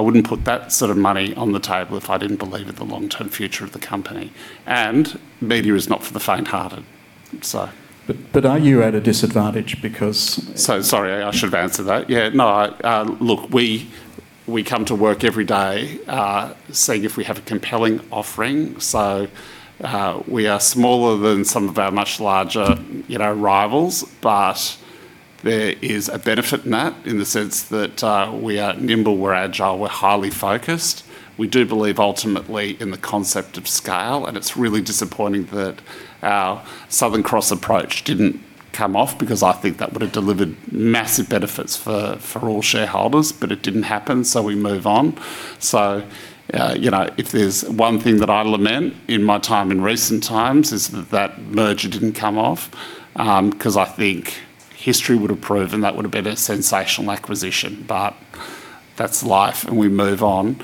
wouldn't put that sort of money on the table if I didn't believe in the long-term future of the company. Media is not for the faint-hearted. Are you at a disadvantage because? Sorry, I should answer that. Yeah, no, I Look, we come to work every day, seeing if we have a compelling offering. We are smaller than some of our much larger, you know, rivals, but there is a benefit in that in the sense that we are nimble, we're agile, we're highly focused. We do believe ultimately in the concept of scale, and it's really disappointing that our Southern Cross approach didn't come off, because I think that would've delivered massive benefits for all shareholders, but it didn't happen, we move on. You know, if there's one thing that I lament in my time in recent times is that that merger didn't come off, 'cause I think history would've proven that would've been a sensational acquisition. That's life, and we move on.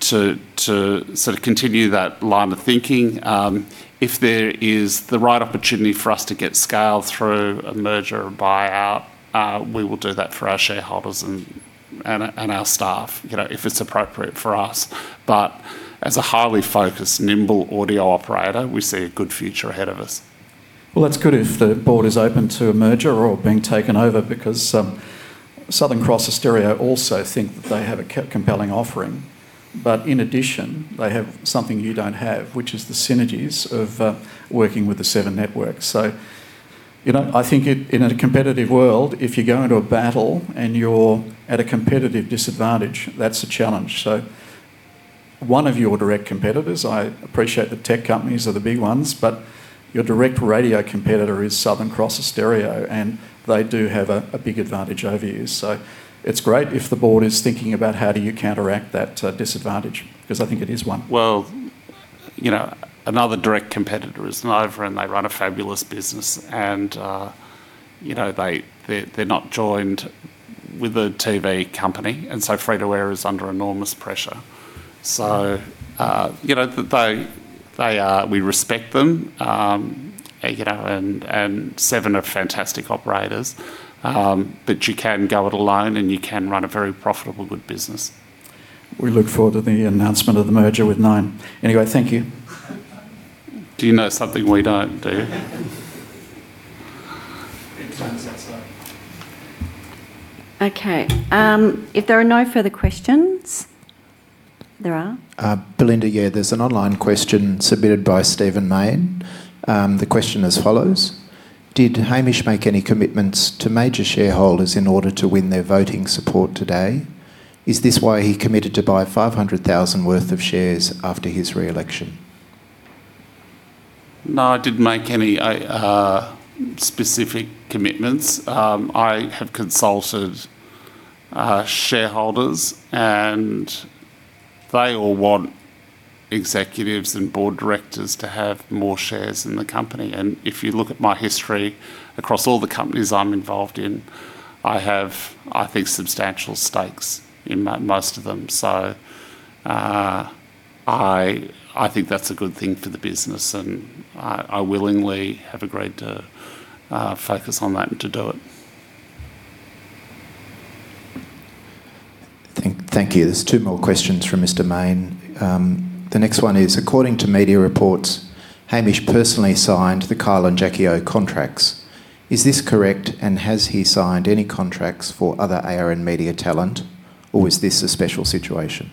To sort of continue that line of thinking, if there is the right opportunity for us to get scale through a merger or buyout, we will do that for our shareholders and our staff, you know, if it's appropriate for us. As a highly focused, nimble audio operator, we see a good future ahead of us. That's good if the board is open to a merger or being taken over because Southern Cross Austereo also think that they have a compelling offering. In addition, they have something you don't have, which is the synergies of working with the Seven network. You know, I think in a competitive world, if you go into a battle and you're at a competitive disadvantage, that's a challenge. One of your direct competitors, I appreciate the tech companies are the big ones, your direct radio competitor is Southern Cross Austereo, and they do have a big advantage over you. It's great if the board is thinking about how do you counteract that disadvantage, 'cause I think it is one. Well, you know, another direct competitor is Nova, and they run a fabulous business. You know, they're not joined with a TV company, and so free-to-air is under enormous pressure. You know, We respect them, you know, and Seven are fantastic operators. You can go it alone, and you can run a very profitable good business. We look forward to the announcement of the merger with Nine. Anyway, thank you. Do you know something we don't, do you? It turns out so. Okay. If there are no further questions. There are? Belinda, there's an online question submitted by Stephen Mayne. The question as follows: Did Hamish make any commitments to major shareholders in order to win their voting support today? Is this why he committed to buy 500,000 worth of shares after his re-election? No, I didn't make any specific commitments. I have consulted shareholders. They all want executives and board directors to have more shares in the company. If you look at my history across all the companies I'm involved in, I have, I think, substantial stakes in most of them. I think that's a good thing for the business, and I willingly have agreed to focus on that and to do it. Thank you. There's two more questions from Mr. Mayne. The next one is: according to media reports, Hamish personally signed the Kyle & Jackie O Show contracts. Is this correct, and has he signed any contracts for other ARN Media talent, or was this a special situation?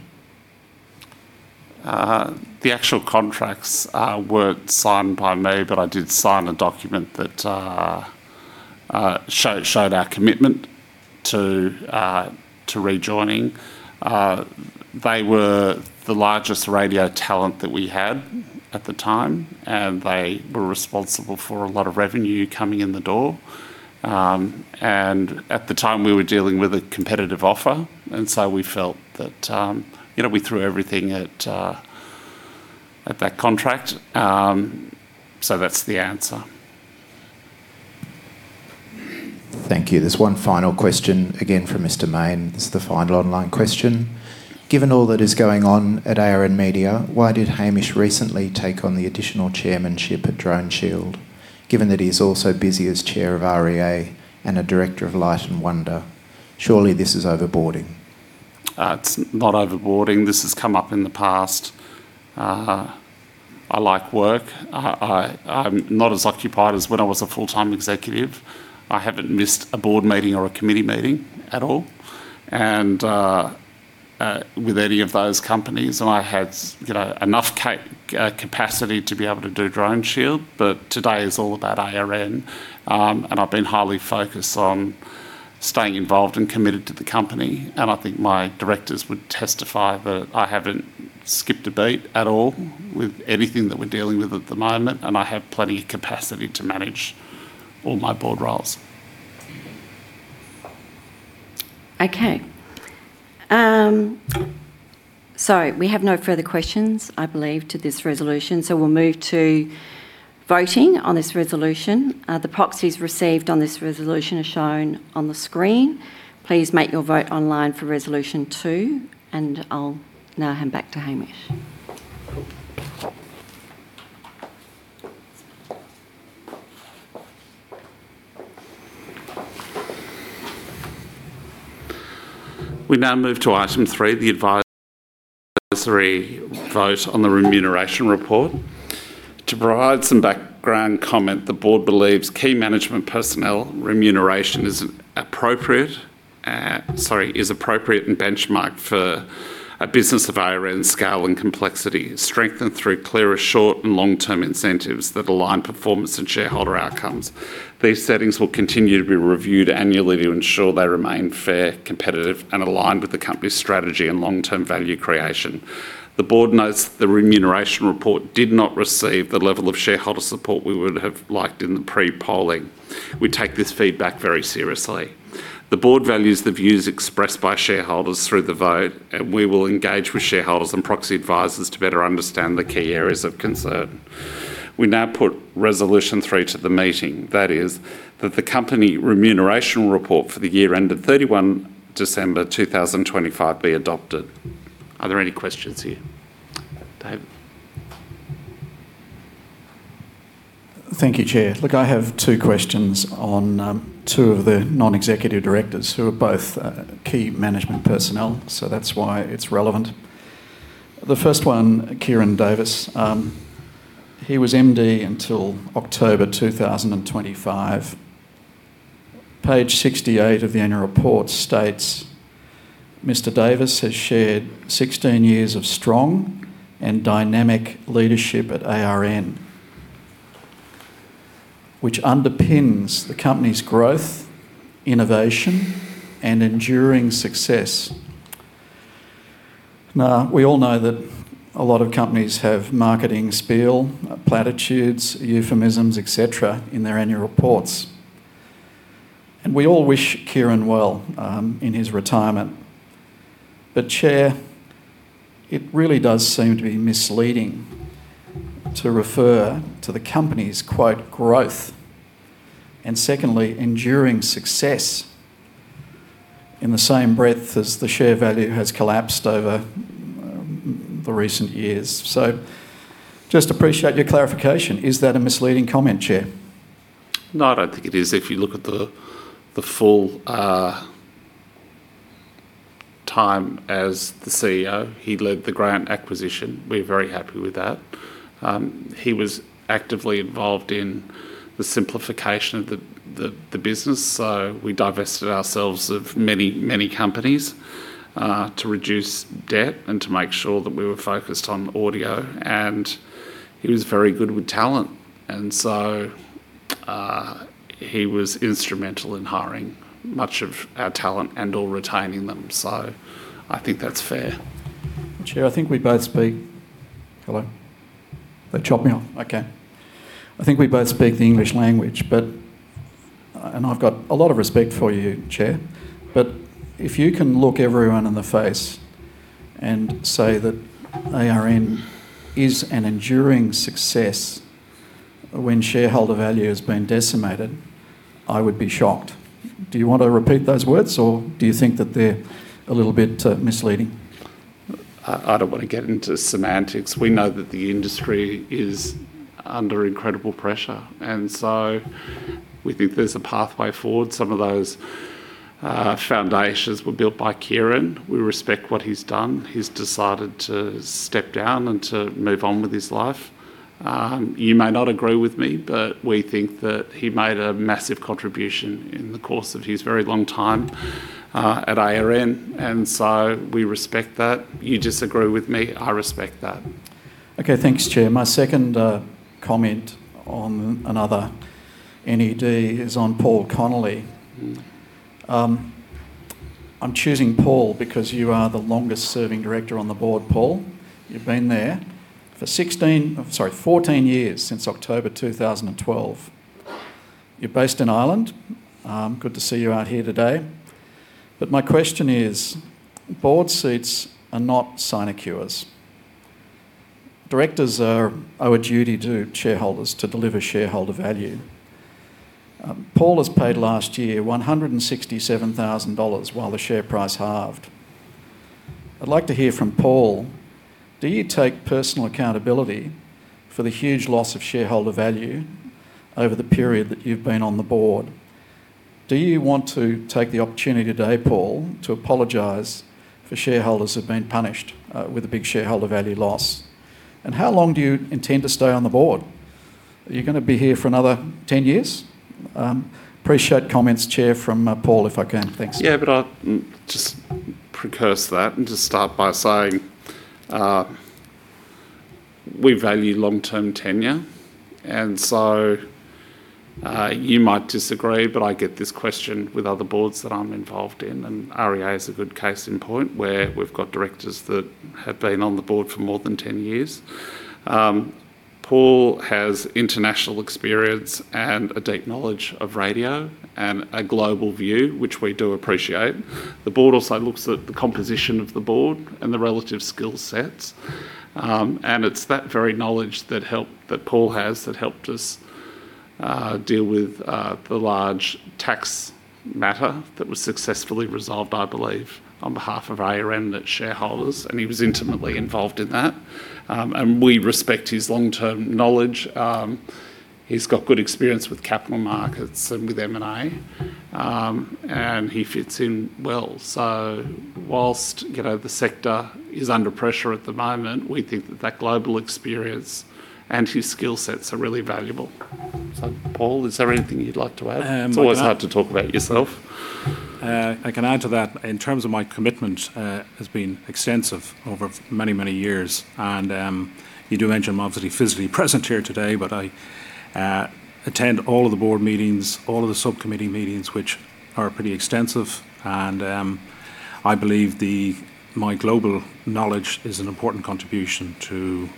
The actual contracts weren't signed by me, but I did sign a document that showed our commitment to rejoining. They were the largest radio talent that we had at the time, and they were responsible for a lot of revenue coming in the door. At the time we were dealing with a competitive offer. We felt that, you know, we threw everything at that contract. That's the answer. Thank you. There's one final question, again from Mr. Mayne. This is the final online question. Given all that is going on at ARN Media, why did Hamish recently take on the additional chairmanship at DroneShield given that he's also busy as chair of REA and a director of Light & Wonder? Surely this is overboarding? It's not overboarding. This has come up in the past. I like work. I'm not as occupied as when I was a full-time executive. I haven't missed a board meeting or a committee meeting at all with any of those companies. I had, you know, enough capacity to be able to do DroneShield, but today is all about ARN. I've been highly focused on staying involved and committed to the company, and I think my directors would testify that I haven't skipped a beat at all with anything that we're dealing with at the moment, and I have plenty of capacity to manage all my board roles. Okay. We have no further questions, I believe, to this resolution, so we'll move to voting on this resolution. The proxies received on this resolution are shown on the screen. Please make your vote online for Resolution 2. I'll now hand back to Hamish. We now move to item three, the advisory vote on the remuneration report. To provide some background comment, the board believes key management personnel remuneration is appropriate, sorry, is appropriate and benchmarked for a business of ARN's scale and complexity, strengthened through clearer short and long-term incentives that align performance and shareholder outcomes. These settings will continue to be reviewed annually to ensure they remain fair, competitive, and aligned with the company's strategy and long-term value creation. The board notes that the remuneration report did not receive the level of shareholder support we would have liked in the pre-polling. We take this feedback very seriously. The board values the views expressed by shareholders through the vote, and we will engage with shareholders and proxy advisors to better understand the key areas of concern. We now put Resolution 3 to the meeting. That is that the company remuneration report for the year ended 31 December, 2025 be adopted. Are there any questions here? David Kingston? Th ank you, Chair. Look, I have two questions on two of the non-executive directors who are both key management personnel, so that's why it's relevant. The first one, Ciaran Davis. He was MD until October 2025. Page 68 of the annual report states, "Mr. Davis has shared 16 years of strong and dynamic leadership at ARN which underpins the company's growth, innovation, and enduring success." We all know that a lot of companies have marketing spiel, platitudes, euphemisms, et cetera, in their annual reports. We all wish Ciaran well in his retirement. Chair, it really does seem to be misleading to refer to the company's, quote, "growth," and secondly, "enduring success" in the same breath as the share value has collapsed over the recent years. Just appreciate your clarification. Is that a misleading comment, Chair? No, I don't think it is. If you look at the full time as the CEO, he led the Grant acquisition. We're very happy with that. He was actively involved in the simplification of the business. We divested ourselves of many companies to reduce debt and to make sure that we were focused on audio. He was very good with talent. He was instrumental in hiring much of our talent and/or retaining them. I think that's fair. Chair, I think we both speak Hello? They chopped me off. Okay. I think we both speak the English language, and I've got a lot of respect for you, Chair. If you can look everyone in the face and say that ARN is an enduring success when shareholder value has been decimated, I would be shocked. Do you want to repeat those words, or do you think that they're a little bit misleading? I don't wanna get into semantics. We know that the industry is under incredible pressure. We think there's a pathway forward. Some of those foundations were built by Ciaran. We respect what he's done. He's decided to step down and to move on with his life. You may not agree with me, but we think that he made a massive contribution in the course of his very long time at ARN. We respect that. You disagree with me, I respect that. Okay, thanks, Chair. My second comment on another NED is on Paul Connolly. I'm choosing Paul because you are the longest serving director on the board, Paul. You've been there for 16 sorry, 14 years, since October 2012. You're based in Ireland. Good to see you out here today. My question is, board seats are not sinecures. Directors owe a duty to shareholders to deliver shareholder value. Paul was paid last year 167,000 dollars while the share price halved. I'd like to hear from Paul, do you take personal accountability for the huge loss of shareholder value over the period that you've been on the board? Do you want to take the opportunity today, Paul, to apologize for shareholders who've been punished, with a big shareholder value loss? How long do you intend to stay on the board? Are you gonna be here for another 10 years? I appreciate comments, Chair, from Paul, if I can. Thanks. I'll just precursor that and just start by saying, we value long-term tenure. You might disagree, but I get this question with other boards that I'm involved in, and REA is a good case in point, where we've got directors that have been on the board for more than 10 years. Paul has international experience and a deep knowledge of radio, and a global view, which we do appreciate. The board also looks at the composition of the board and the relative skillsets. It's that very knowledge that Paul has that helped us deal with the large tax matter that was successfully resolved, I believe, on behalf of ARN, the shareholders, and he was intimately involved in that. We respect his long-term knowledge. He's got good experience with capital markets and with M&A. He fits in well. Whilst, you know, the sector is under pressure at the moment, we think that that global experience and his skillsets are really valuable. Paul, is there anything you'd like to add? Um, look, It's always hard to talk about yourself. I can add to that. In terms of my commitment has been extensive over many, many years. You do mention I'm obviously physically present here today, but I attend all of the board meetings, all of the subcommittee meetings, which are pretty extensive. I believe my global knowledge is an important contribution to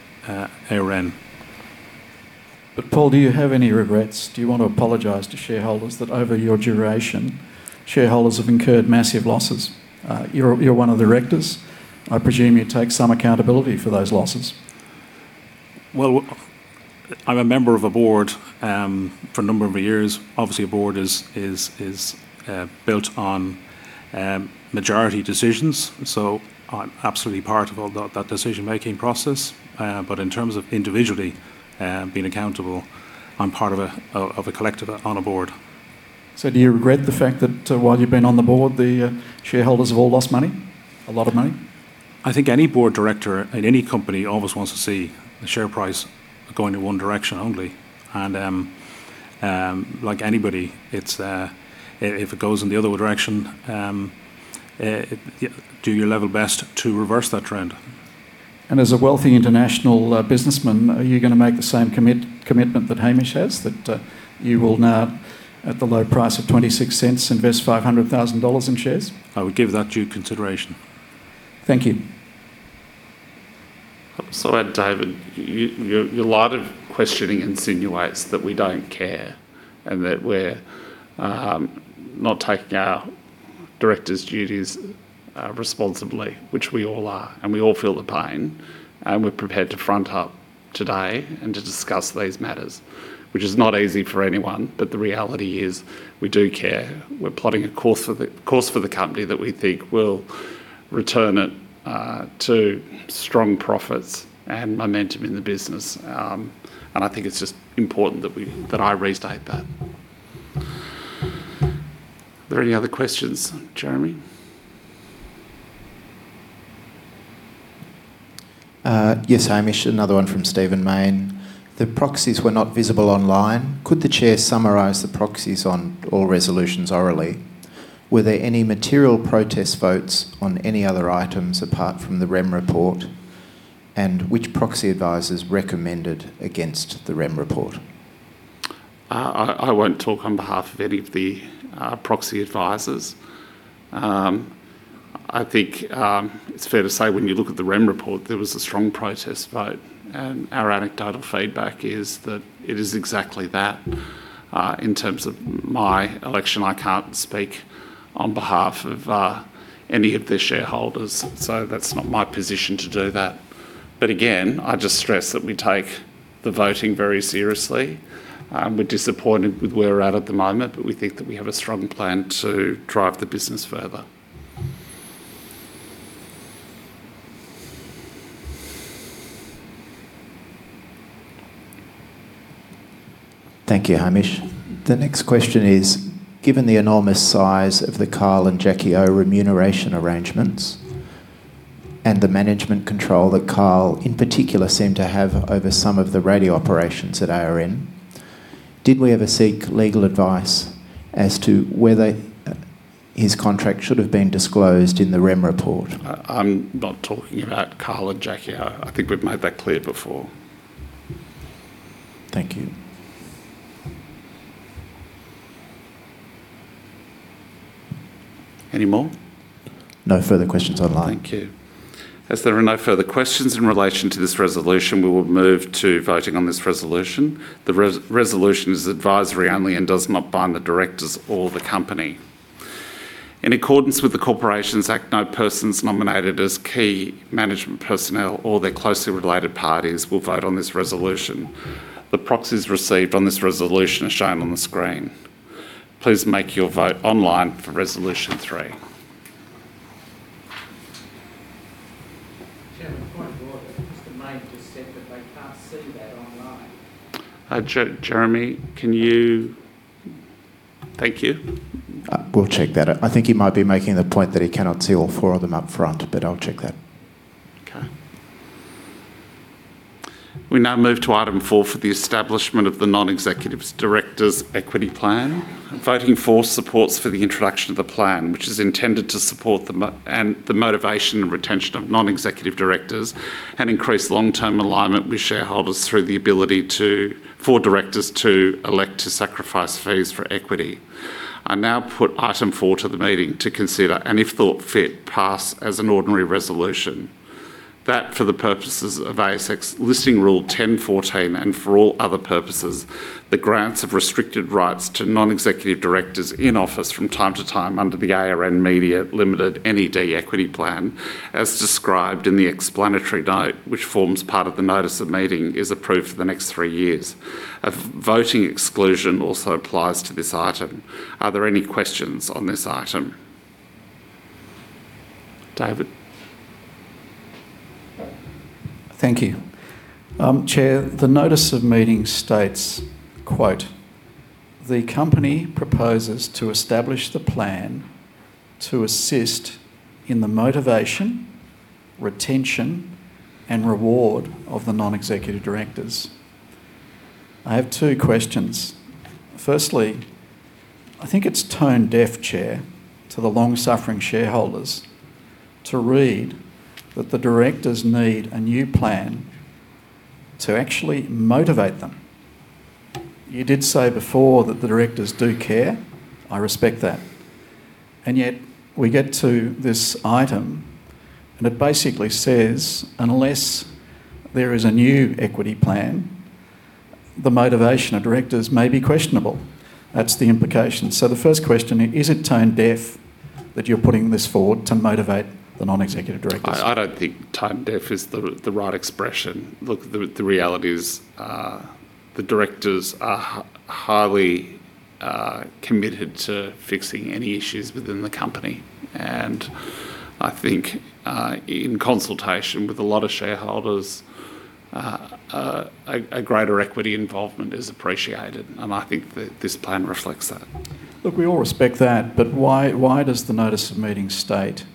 ARN. Paul, do you have any regrets? Do you want to apologize to shareholders that over your duration, shareholders have incurred massive losses? You're one of the directors. I presume you take some accountability for those losses. Well, I'm a member of a board, for a number of years. Obviously, a board is built on majority decisions. I'm absolutely part of all that decision-making process. In terms of individually, being accountable, I'm part of a collective on a board. Do you regret the fact that while you've been on the board, the shareholders have all lost money? A lot of money? I think any board director at any company always wants to see the share price going in one direction only. Like anybody, if it goes in the other direction, do your level best to reverse that trend. As a wealthy international businessman, are you gonna make the same commitment that Hamish has, that you will now, at the low price of 0.26, invest 500,000 dollars in shares? I would give that due consideration. Thank you. Sorry, David. Your line of questioning insinuates that we don't care, and that we're not taking our director's duties responsibly, which we all are. We all feel the pain. We're prepared to front up today and to discuss these matters, which is not easy for anyone. The reality is, we do care. We're plotting a course for the company that we think will return it to strong profits and momentum in the business. I think it's just important that I restate that. Are there any other questions? Jeremy? Yes, Hamish. Another one from Stephen Mayne. The proxies were not visible online. Could the Chair summarize the proxies on all resolutions orally? Were there any material protest votes on any other items apart from the REM report? Which proxy advisors recommended against the REM report? I won't talk on behalf of any of the proxy advisors. I think it's fair to say when you look at the REM Report, there was a strong protest vote, and our anecdotal feedback is that it is exactly that. In terms of my election, I can't speak on behalf of any of the shareholders. That's not my position to do that. Again, I just stress that we take the voting very seriously. We're disappointed with where we're at at the moment, but we think that we have a strong plan to drive the business further. Thank you, Hamish. The next question is, given the enormous size of the Kyle & Jackie O Show remuneration arrangements, and the management control that Kyle in particular seemed to have over some of the radio operations at ARN, did we ever seek legal advice as to whether his contract should have been disclosed in the REM report? I'm not talking about Kyle & Jackie O Show. I think we've made that clear before. Thank you. Any more? No further questions online. Thank you. As there are no further questions in relation to this resolution, we will move to voting on this resolution. The resolution is advisory only and does not bind the directors or the company. In accordance with the Corporations Act, no persons nominated as key management personnel or their closely related parties will vote on this resolution. The proxies received on this resolution are shown on the screen. Please make your vote online for Resolution 3. Chair, a point of order. Mr. Mayne just said that they can't see that online. Jeremy, Thank you. We'll check that. I think he might be making the point that he cannot see all four of them up front, but I'll check that. Okay. We now move to item four for the establishment of the Non-Executive Director Equity Plan. Voting for supports for the introduction of the plan, which is intended to support the motivation and retention of non-executive directors and increase long-term alignment with shareholders through the ability for directors to elect to sacrifice fees for equity. I now put item four to the meeting to consider, and if thought fit, pass as an ordinary resolution. That for the purposes of ASX listing rule 10.14, and for all other purposes, the grants of restricted rights to non-executive directors in office from time to time under the ARN Media Limited NED Equity Plan, as described in the explanatory note, which forms part of the notice of meeting, is approved for the next three years. A voting exclusion also applies to this item. Are there any questions on this item? David? Thank you. Chair, the notice of meeting states, quote, "The company proposes to establish the plan to assist in the motivation, retention, and reward of the Non-executive Directors." I have two questions. Firstly, I think it's tone deaf, Chair, to the long-suffering shareholders, to read that the directors need a new plan to actually motivate them. You did say before that the directors do care. I respect that. Yet we get to this item, and it basically says unless there is a new equity plan, the motivation of directors may be questionable. That's the implication. The first question, is it tone deaf that you're putting this forward to motivate the Non-executive Directors? I don't think tone deaf is the right expression. Look, the reality is, the directors are highly committed to fixing any issues within the company. I think, in consultation with a lot of shareholders, a greater equity involvement is appreciated, and I think that this plan reflects that. Look, we all respect that, but why does the notice of meeting state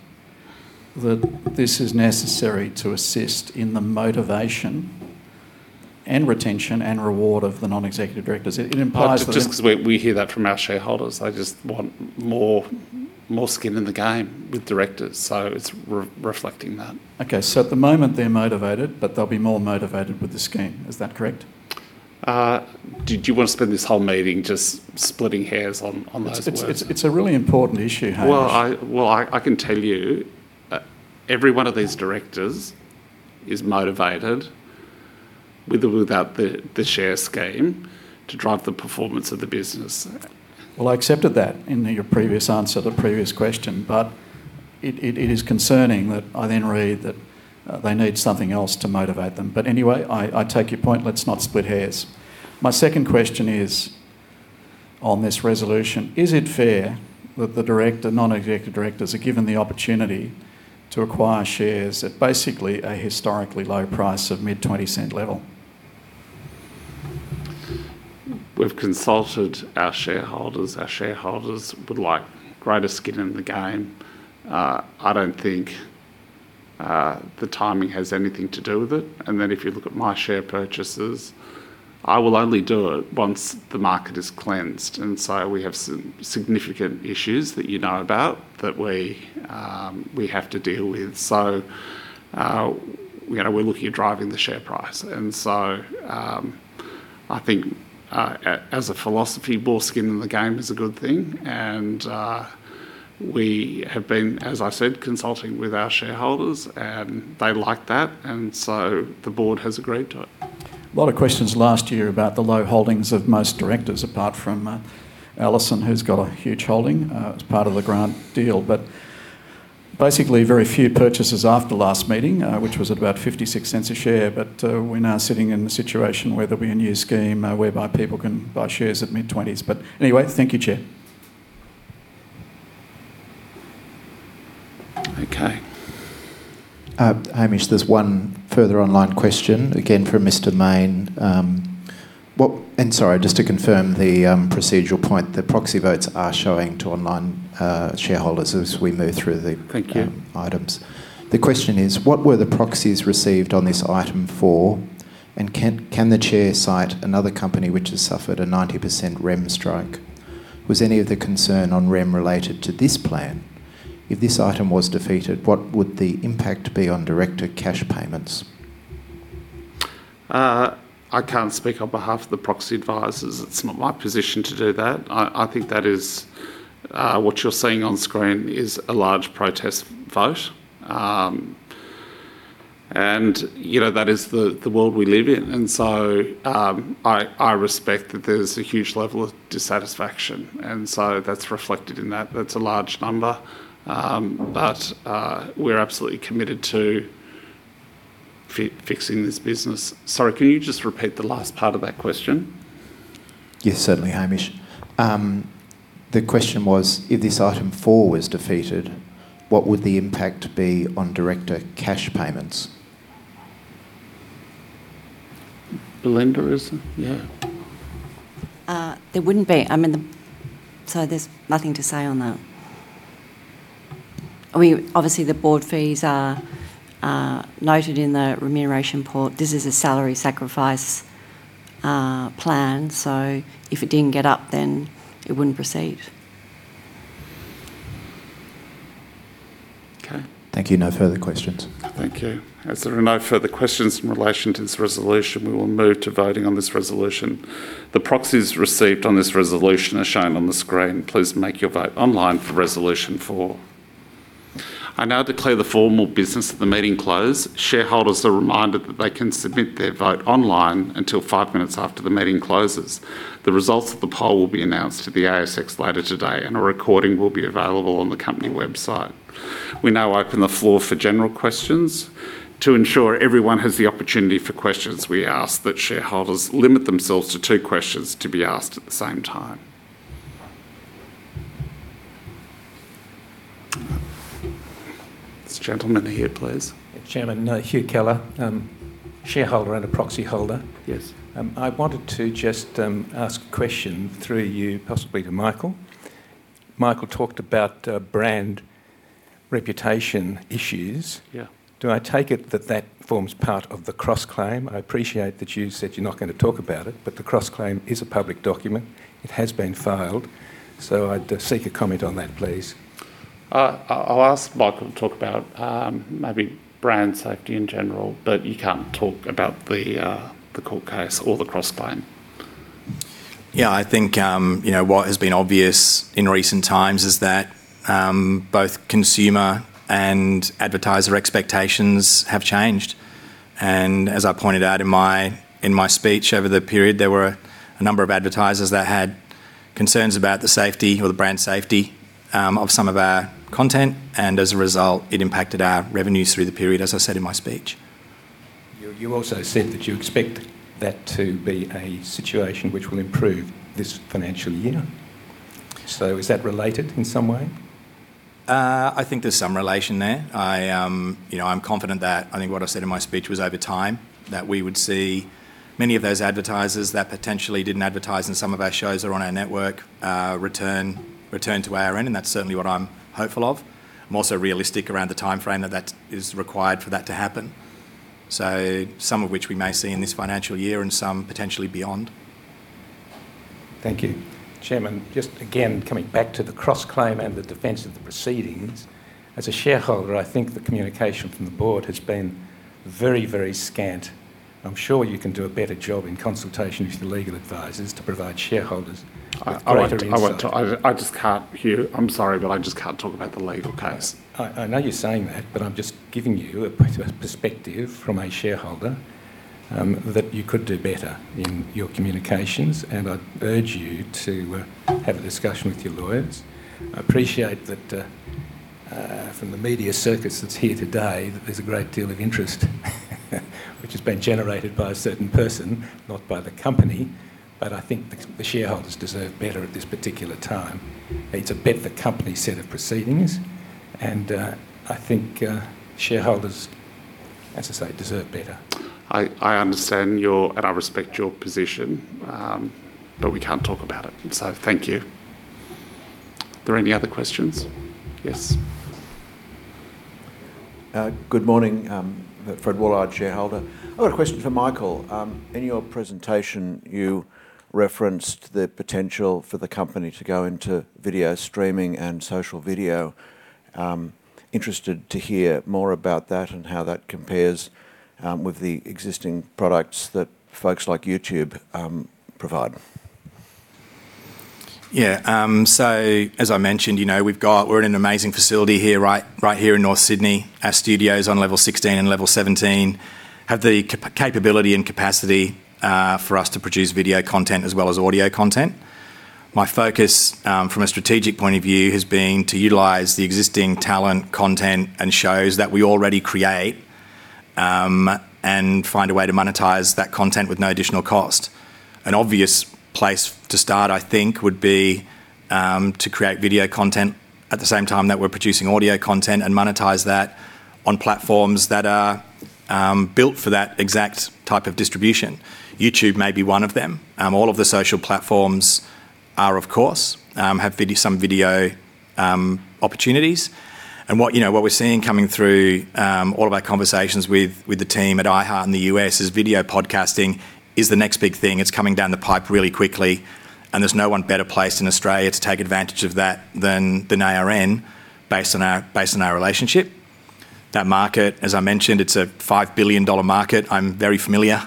that this is necessary to assist in the motivation and retention and reward of the non-executive directors? It implies that. Well, just 'cause we hear that from our shareholders. They just want more skin in the game with directors, so it's reflecting that. Okay. At the moment they're motivated, but they'll be more motivated with the scheme. Is that correct? Do you wanna spend this whole meeting just splitting hairs on those words? It's a really important issue, Hamish. Well, I can tell you, every one of these directors is motivated, with or without the share scheme, to drive the performance of the business. I accepted that in your previous answer to the previous question, it is concerning that I then read that they need something else to motivate them. I take your point. Let's not split hairs. My second question is on this resolution. Is it fair that the non-executive directors are given the opportunity to acquire shares at basically a historically low price of mid 0.20 level? We've consulted our shareholders. Our shareholders would like greater skin in the game. I don't think the timing has anything to do with it. If you look at my share purchases, I will only do it once the market is cleansed. We have significant issues that you know about that we have to deal with. You know, we're looking at driving the share price. I think as a philosophy, more skin in the game is a good thing. We have been, as I said, consulting with our shareholders, and they like that. The board has agreed to it. A lot of questions last year about the low holdings of most directors, apart from, Alison, who's got a huge holding, as part of the Grant deal. Basically, very few purchases after last meeting, which was at about 0.56 a share. We're now sitting in the situation where there'll be a new scheme, whereby people can buy shares at mid-20s. Anyway, thank you, Chair. Okay. Hamish, there's one further online question, again from Mr. Mayne. Sorry, just to confirm the procedural point, the proxy votes are showing to online shareholders as we move through the items. Thank you. The question is, what were the proxies received on this item four, and can the Chair cite another company which has suffered a 90% REM strike? Was any of the concern on REM related to this plan? If this item was defeated, what would the impact be on director cash payments? I can't speak on behalf of the proxy advisors. It's not my position to do that. I think that is, what you're seeing on screen is a large protest vote. you know, that is the world we live in. I respect that there's a huge level of dissatisfaction, and so that's reflected in that. That's a large number. We're absolutely committed to fixing this business. Sorry, can you just repeat the last part of that question? Yes, certainly, Hamish. The question was, if this item four was defeated, what would the impact be on director cash payments? Belinda, is it? Yeah. There wouldn't be. I mean, there's nothing to say on that. I mean, obviously the board fees are noted in the remuneration report. This is a salary sacrifice plan, so if it didn't get up, then it wouldn't proceed. Okay. Thank you. No further questions. Thank you. As there are no further questions in relation to this resolution, we will move to voting on this resolution. The proxies received on this resolution are shown on the screen. Please make your vote online for resolution four. I now declare the formal business of the meeting closed. Shareholders are reminded that they can submit their vote online until 5 minutes after the meeting closes. The results of the poll will be announced to the ASX later today, and a recording will be available on the company website. We now open the floor for general questions. To ensure everyone has the opportunity for questions, we ask that shareholders limit themselves to two questions to be asked at the same time. This gentleman here, please. Chairman, Hugh Keller. Shareholder and a proxy holder. Yes. I wanted to just ask a question through you possibly to Michael. Michael talked about brand reputation issues. Yeah. Do I take it that that forms part of the cross-claim? I appreciate that you said you're not gonna talk about it, but the cross-claim is a public document. It has been filed, so I'd seek a comment on that, please. I'll ask Michael to talk about maybe brand safety in general, but you can't talk about the court case or the cross-claim. Yeah, I think, you know, what has been obvious in recent times is that both consumer and advertiser expectations have changed. As I pointed out in my speech, over the period, there were a number of advertisers that had concerns about the safety or the brand safety of some of our content, and as a result, it impacted our revenues through the period, as I said in my speech. You also said that you expect that to be a situation which will improve this financial year. Is that related in some way? I think there's some relation there. I, you know, I'm confident that, I think what I said in my speech was over time, that we would see many of those advertisers that potentially didn't advertise in some of our shows or on our network, return to ARN, and that's certainly what I'm hopeful of. I'm also realistic around the timeframe that that is required for that to happen. Some of which we may see in this financial year and some potentially beyond. Thank you. Chairman, just again, coming back to the cross-claim and the defense of the proceedings, as a shareholder, I think the communication from the board has been very, very scant. I'm sure you can do a better job in consultation with your legal advisors to provide shareholders with greater insight. I just can't, Hugh. I'm sorry, but I just can't talk about the legal case. I know you're saying that, but I'm just giving you a perspective from a shareholder that you could do better in your communications, and I'd urge you to have a discussion with your lawyers. I appreciate that from the media circus that's here today, that there's a great deal of interest which has been generated by a certain person, not by the company, but I think the shareholders deserve better at this particular time. It's a bet the company set of proceedings, and I think shareholders, as I say, deserve better. I understand and I respect your position. We can't talk about it. Thank you. Are there any other questions? Yes. Good morning. Fred Willard, shareholder. I've got a question for Michael. In your presentation, you referenced the potential for the company to go into video streaming and social video. Interested to hear more about that and how that compares with the existing products that folks like YouTube provide. Yeah. As I mentioned, you know, we're in an amazing facility here, right here in North Sydney. Our studio's on level 16 and level 17, have the capability and capacity for us to produce video content as well as audio content. My focus, from a strategic point of view has been to utilize the existing talent, content, and shows that we already create, and find a way to monetize that content with no additional cost. An obvious place to start, I think, would be to create video content at the same time that we're producing audio content, and monetize that on platforms that are built for that exact type of distribution. YouTube may be one of them. All of the social platforms are, of course, have video, some video opportunities. What, you know, what we're seeing coming through, all of our conversations with the team at iHeart in the U.S. is video podcasting is the next big thing. It's coming down the pipe really quickly, and there's no one better placed in Australia to take advantage of that than ARN based on our relationship. That market, as I mentioned, it's an 5 billion dollar market. I'm very familiar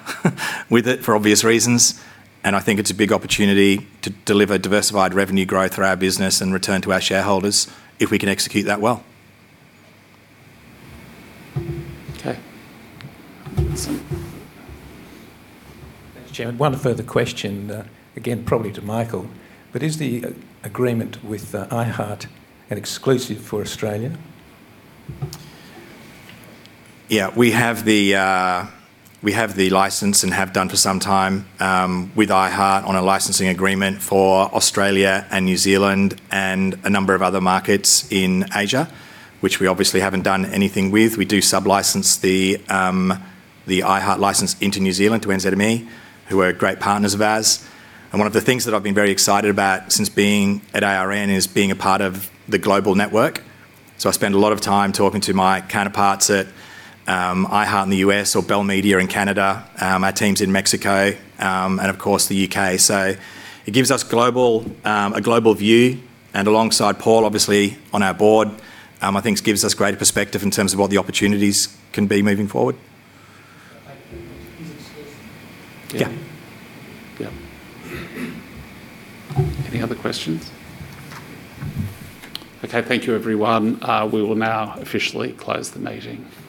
with it for obvious reasons, and I think it's a big opportunity to deliver diversified revenue growth for our business and return to our shareholders if we can execute that well. Okay. Thanks, Chairman. One further question. Again, probably to Michael. Is the agreement with iHeart an exclusive for Australia? We have the license and have done for some time with iHeart on a licensing agreement for Australia and New Zealand and a number of other markets in Asia, which we obviously haven't done anything with. We do sublicense the iHeart license into New Zealand to NZME, who are great partners of ours. One of the things that I've been very excited about since being at ARN is being a part of the global network. I spend a lot of time talking to my counterparts at iHeart in the U.S. or Bell Media in Canada, our teams in Mexico, and of course the U.K. It gives us global a global view, alongside Paul, obviously, on our board, I think gives us greater perspective in terms of what the opportunities can be moving forward. Is it exclusive? Yeah. Yeah. Any other questions? Okay. Thank you, everyone. We will now officially close the meeting. Thank you.